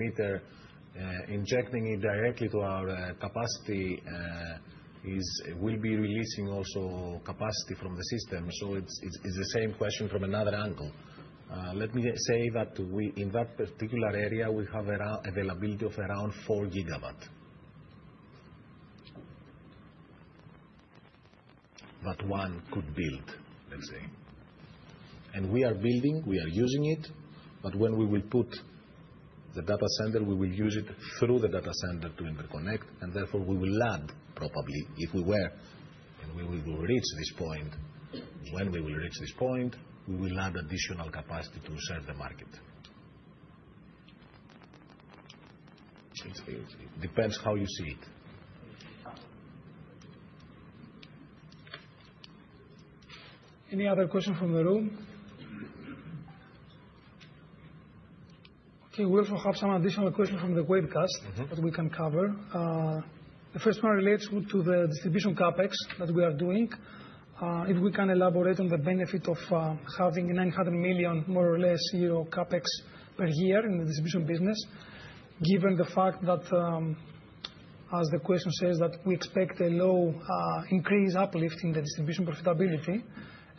meter, injecting it directly to our capacity, we'll be releasing also capacity from the system. It is the same question from another angle. Let me say that in that particular area, we have availability of around 4 GW that one could build, let's say. We are building, we are using it, but when we will put the data center, we will use it through the data center to interconnect, and therefore, we will add probably if we were, and we will reach this point. When we will reach this point, we will add additional capacity to serve the market. It depends how you see it. Any other questions from the room? Okay, we also have some additional questions from the webcast that we can cover. The first one relates to the distribution CapEx that we are doing. If we can elaborate on the benefit of having 900 million, more or less, CapEx per year in the distribution business, given the fact that, as the question says, that we expect a low increase uplift in the distribution profitability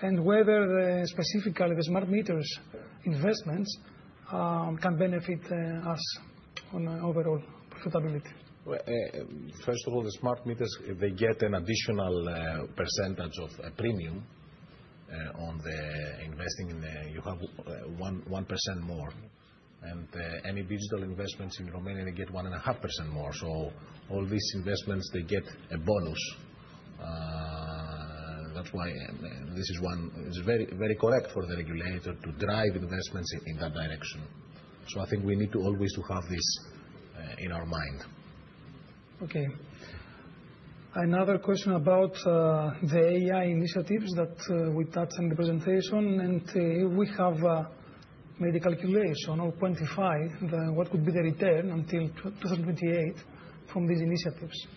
and whether specifically the smart meters investments can benefit us on overall profitability. First of all, the smart meters, they get an additional percent of a premium on the investing in the you have 1% more. Any digital investments in Romania, they get 1.5% more. All these investments, they get a bonus. That is why this is one it is very correct for the regulator to drive investments in that direction. I think we need to always have this in our mind. Okay. Another question about the AI initiatives that we touched in the presentation, and if we have made a calculation or quantified what could be the return until 2028 from these initiatives.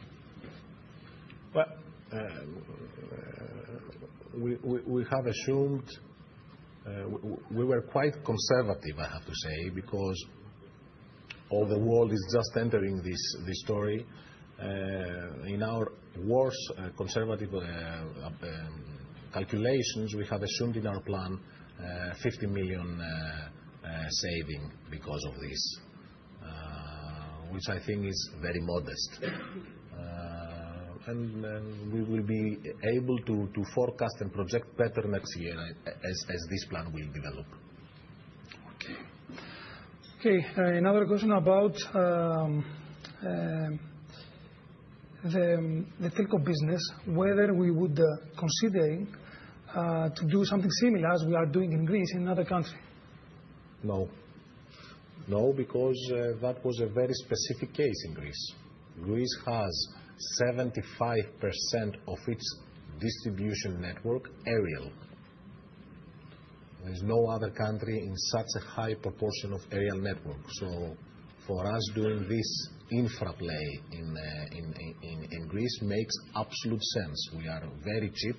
We have assumed we were quite conservative, I have to say, because all the world is just entering this story. In our worst conservative calculations, we have assumed in our plan 50 million saving because of this, which I think is very modest. We will be able to forecast and project better next year as this plan will develop. Okay. Another question about the telco business, whether we would consider to do something similar as we are doing in Greece in another country. No. No, because that was a very specific case in Greece. Greece has 75% of its Distribution network aerial. There is no other country in such a high proportion of aerial network. For us, doing this infra play in Greece makes absolute sense. We are very cheap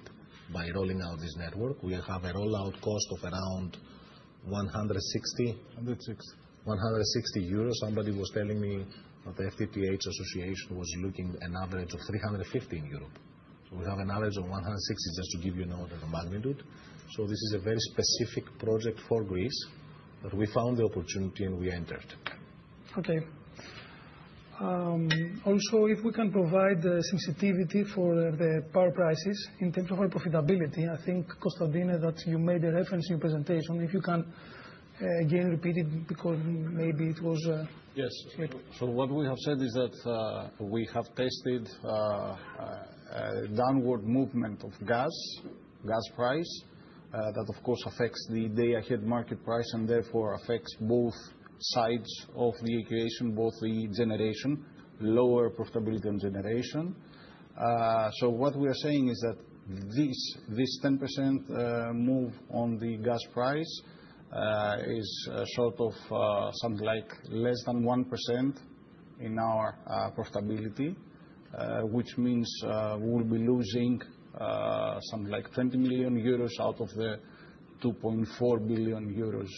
by rolling out this network. We have a rollout cost of around 160. 160. 160 euros. Somebody was telling me that the FTTH Association was looking at an average of 350 in Europe. We have an average of 160, just to give you an order of magnitude. This is a very specific project for Greece that we found the opportunity and we entered. Okay. Also, if we can provide sensitivity for the power prices in terms of our profitability, I think, Konstantinos, that you made a reference in your presentation, if you can again repeat it because maybe it was. Yes. What we have said is that we have tested a downward movement of Gas, Gas price, that of course affects the day-ahead market price and therefore affects both sides of the equation, both the Generation, lower profitability on Generation. What we are saying is that this 10% move on the Gas price is sort of something like less than 1% in our profitability, which means we will be losing something like 20 million euros out of the 2.4 billion euros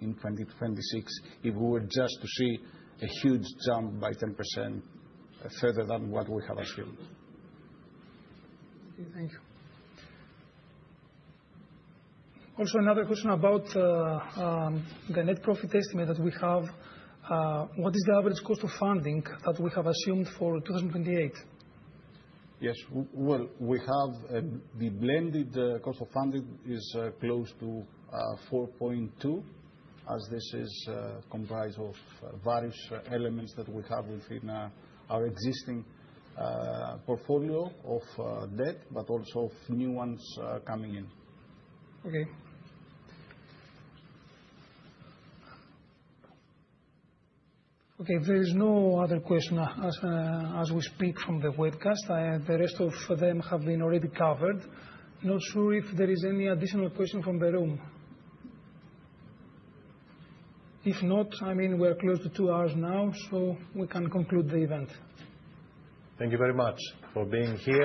in 2026 if we were just to see a huge jump by 10% further than what we have assumed. Okay, thank you. Also, another question about the net profit estimate that we have. What is the average cost of funding that we have assumed for 2028? Yes. We have the blended cost of funding is close to 4.2, as this is comprised of various elements that we have within our existing portfolio of debt, but also of new ones coming in. Okay. There is no other question as we speak from the webcast. The rest of them have been already covered. Not sure if there is any additional question from the room. If not, I mean, we are close to two hours now, so we can conclude the event. Thank you very much for being here.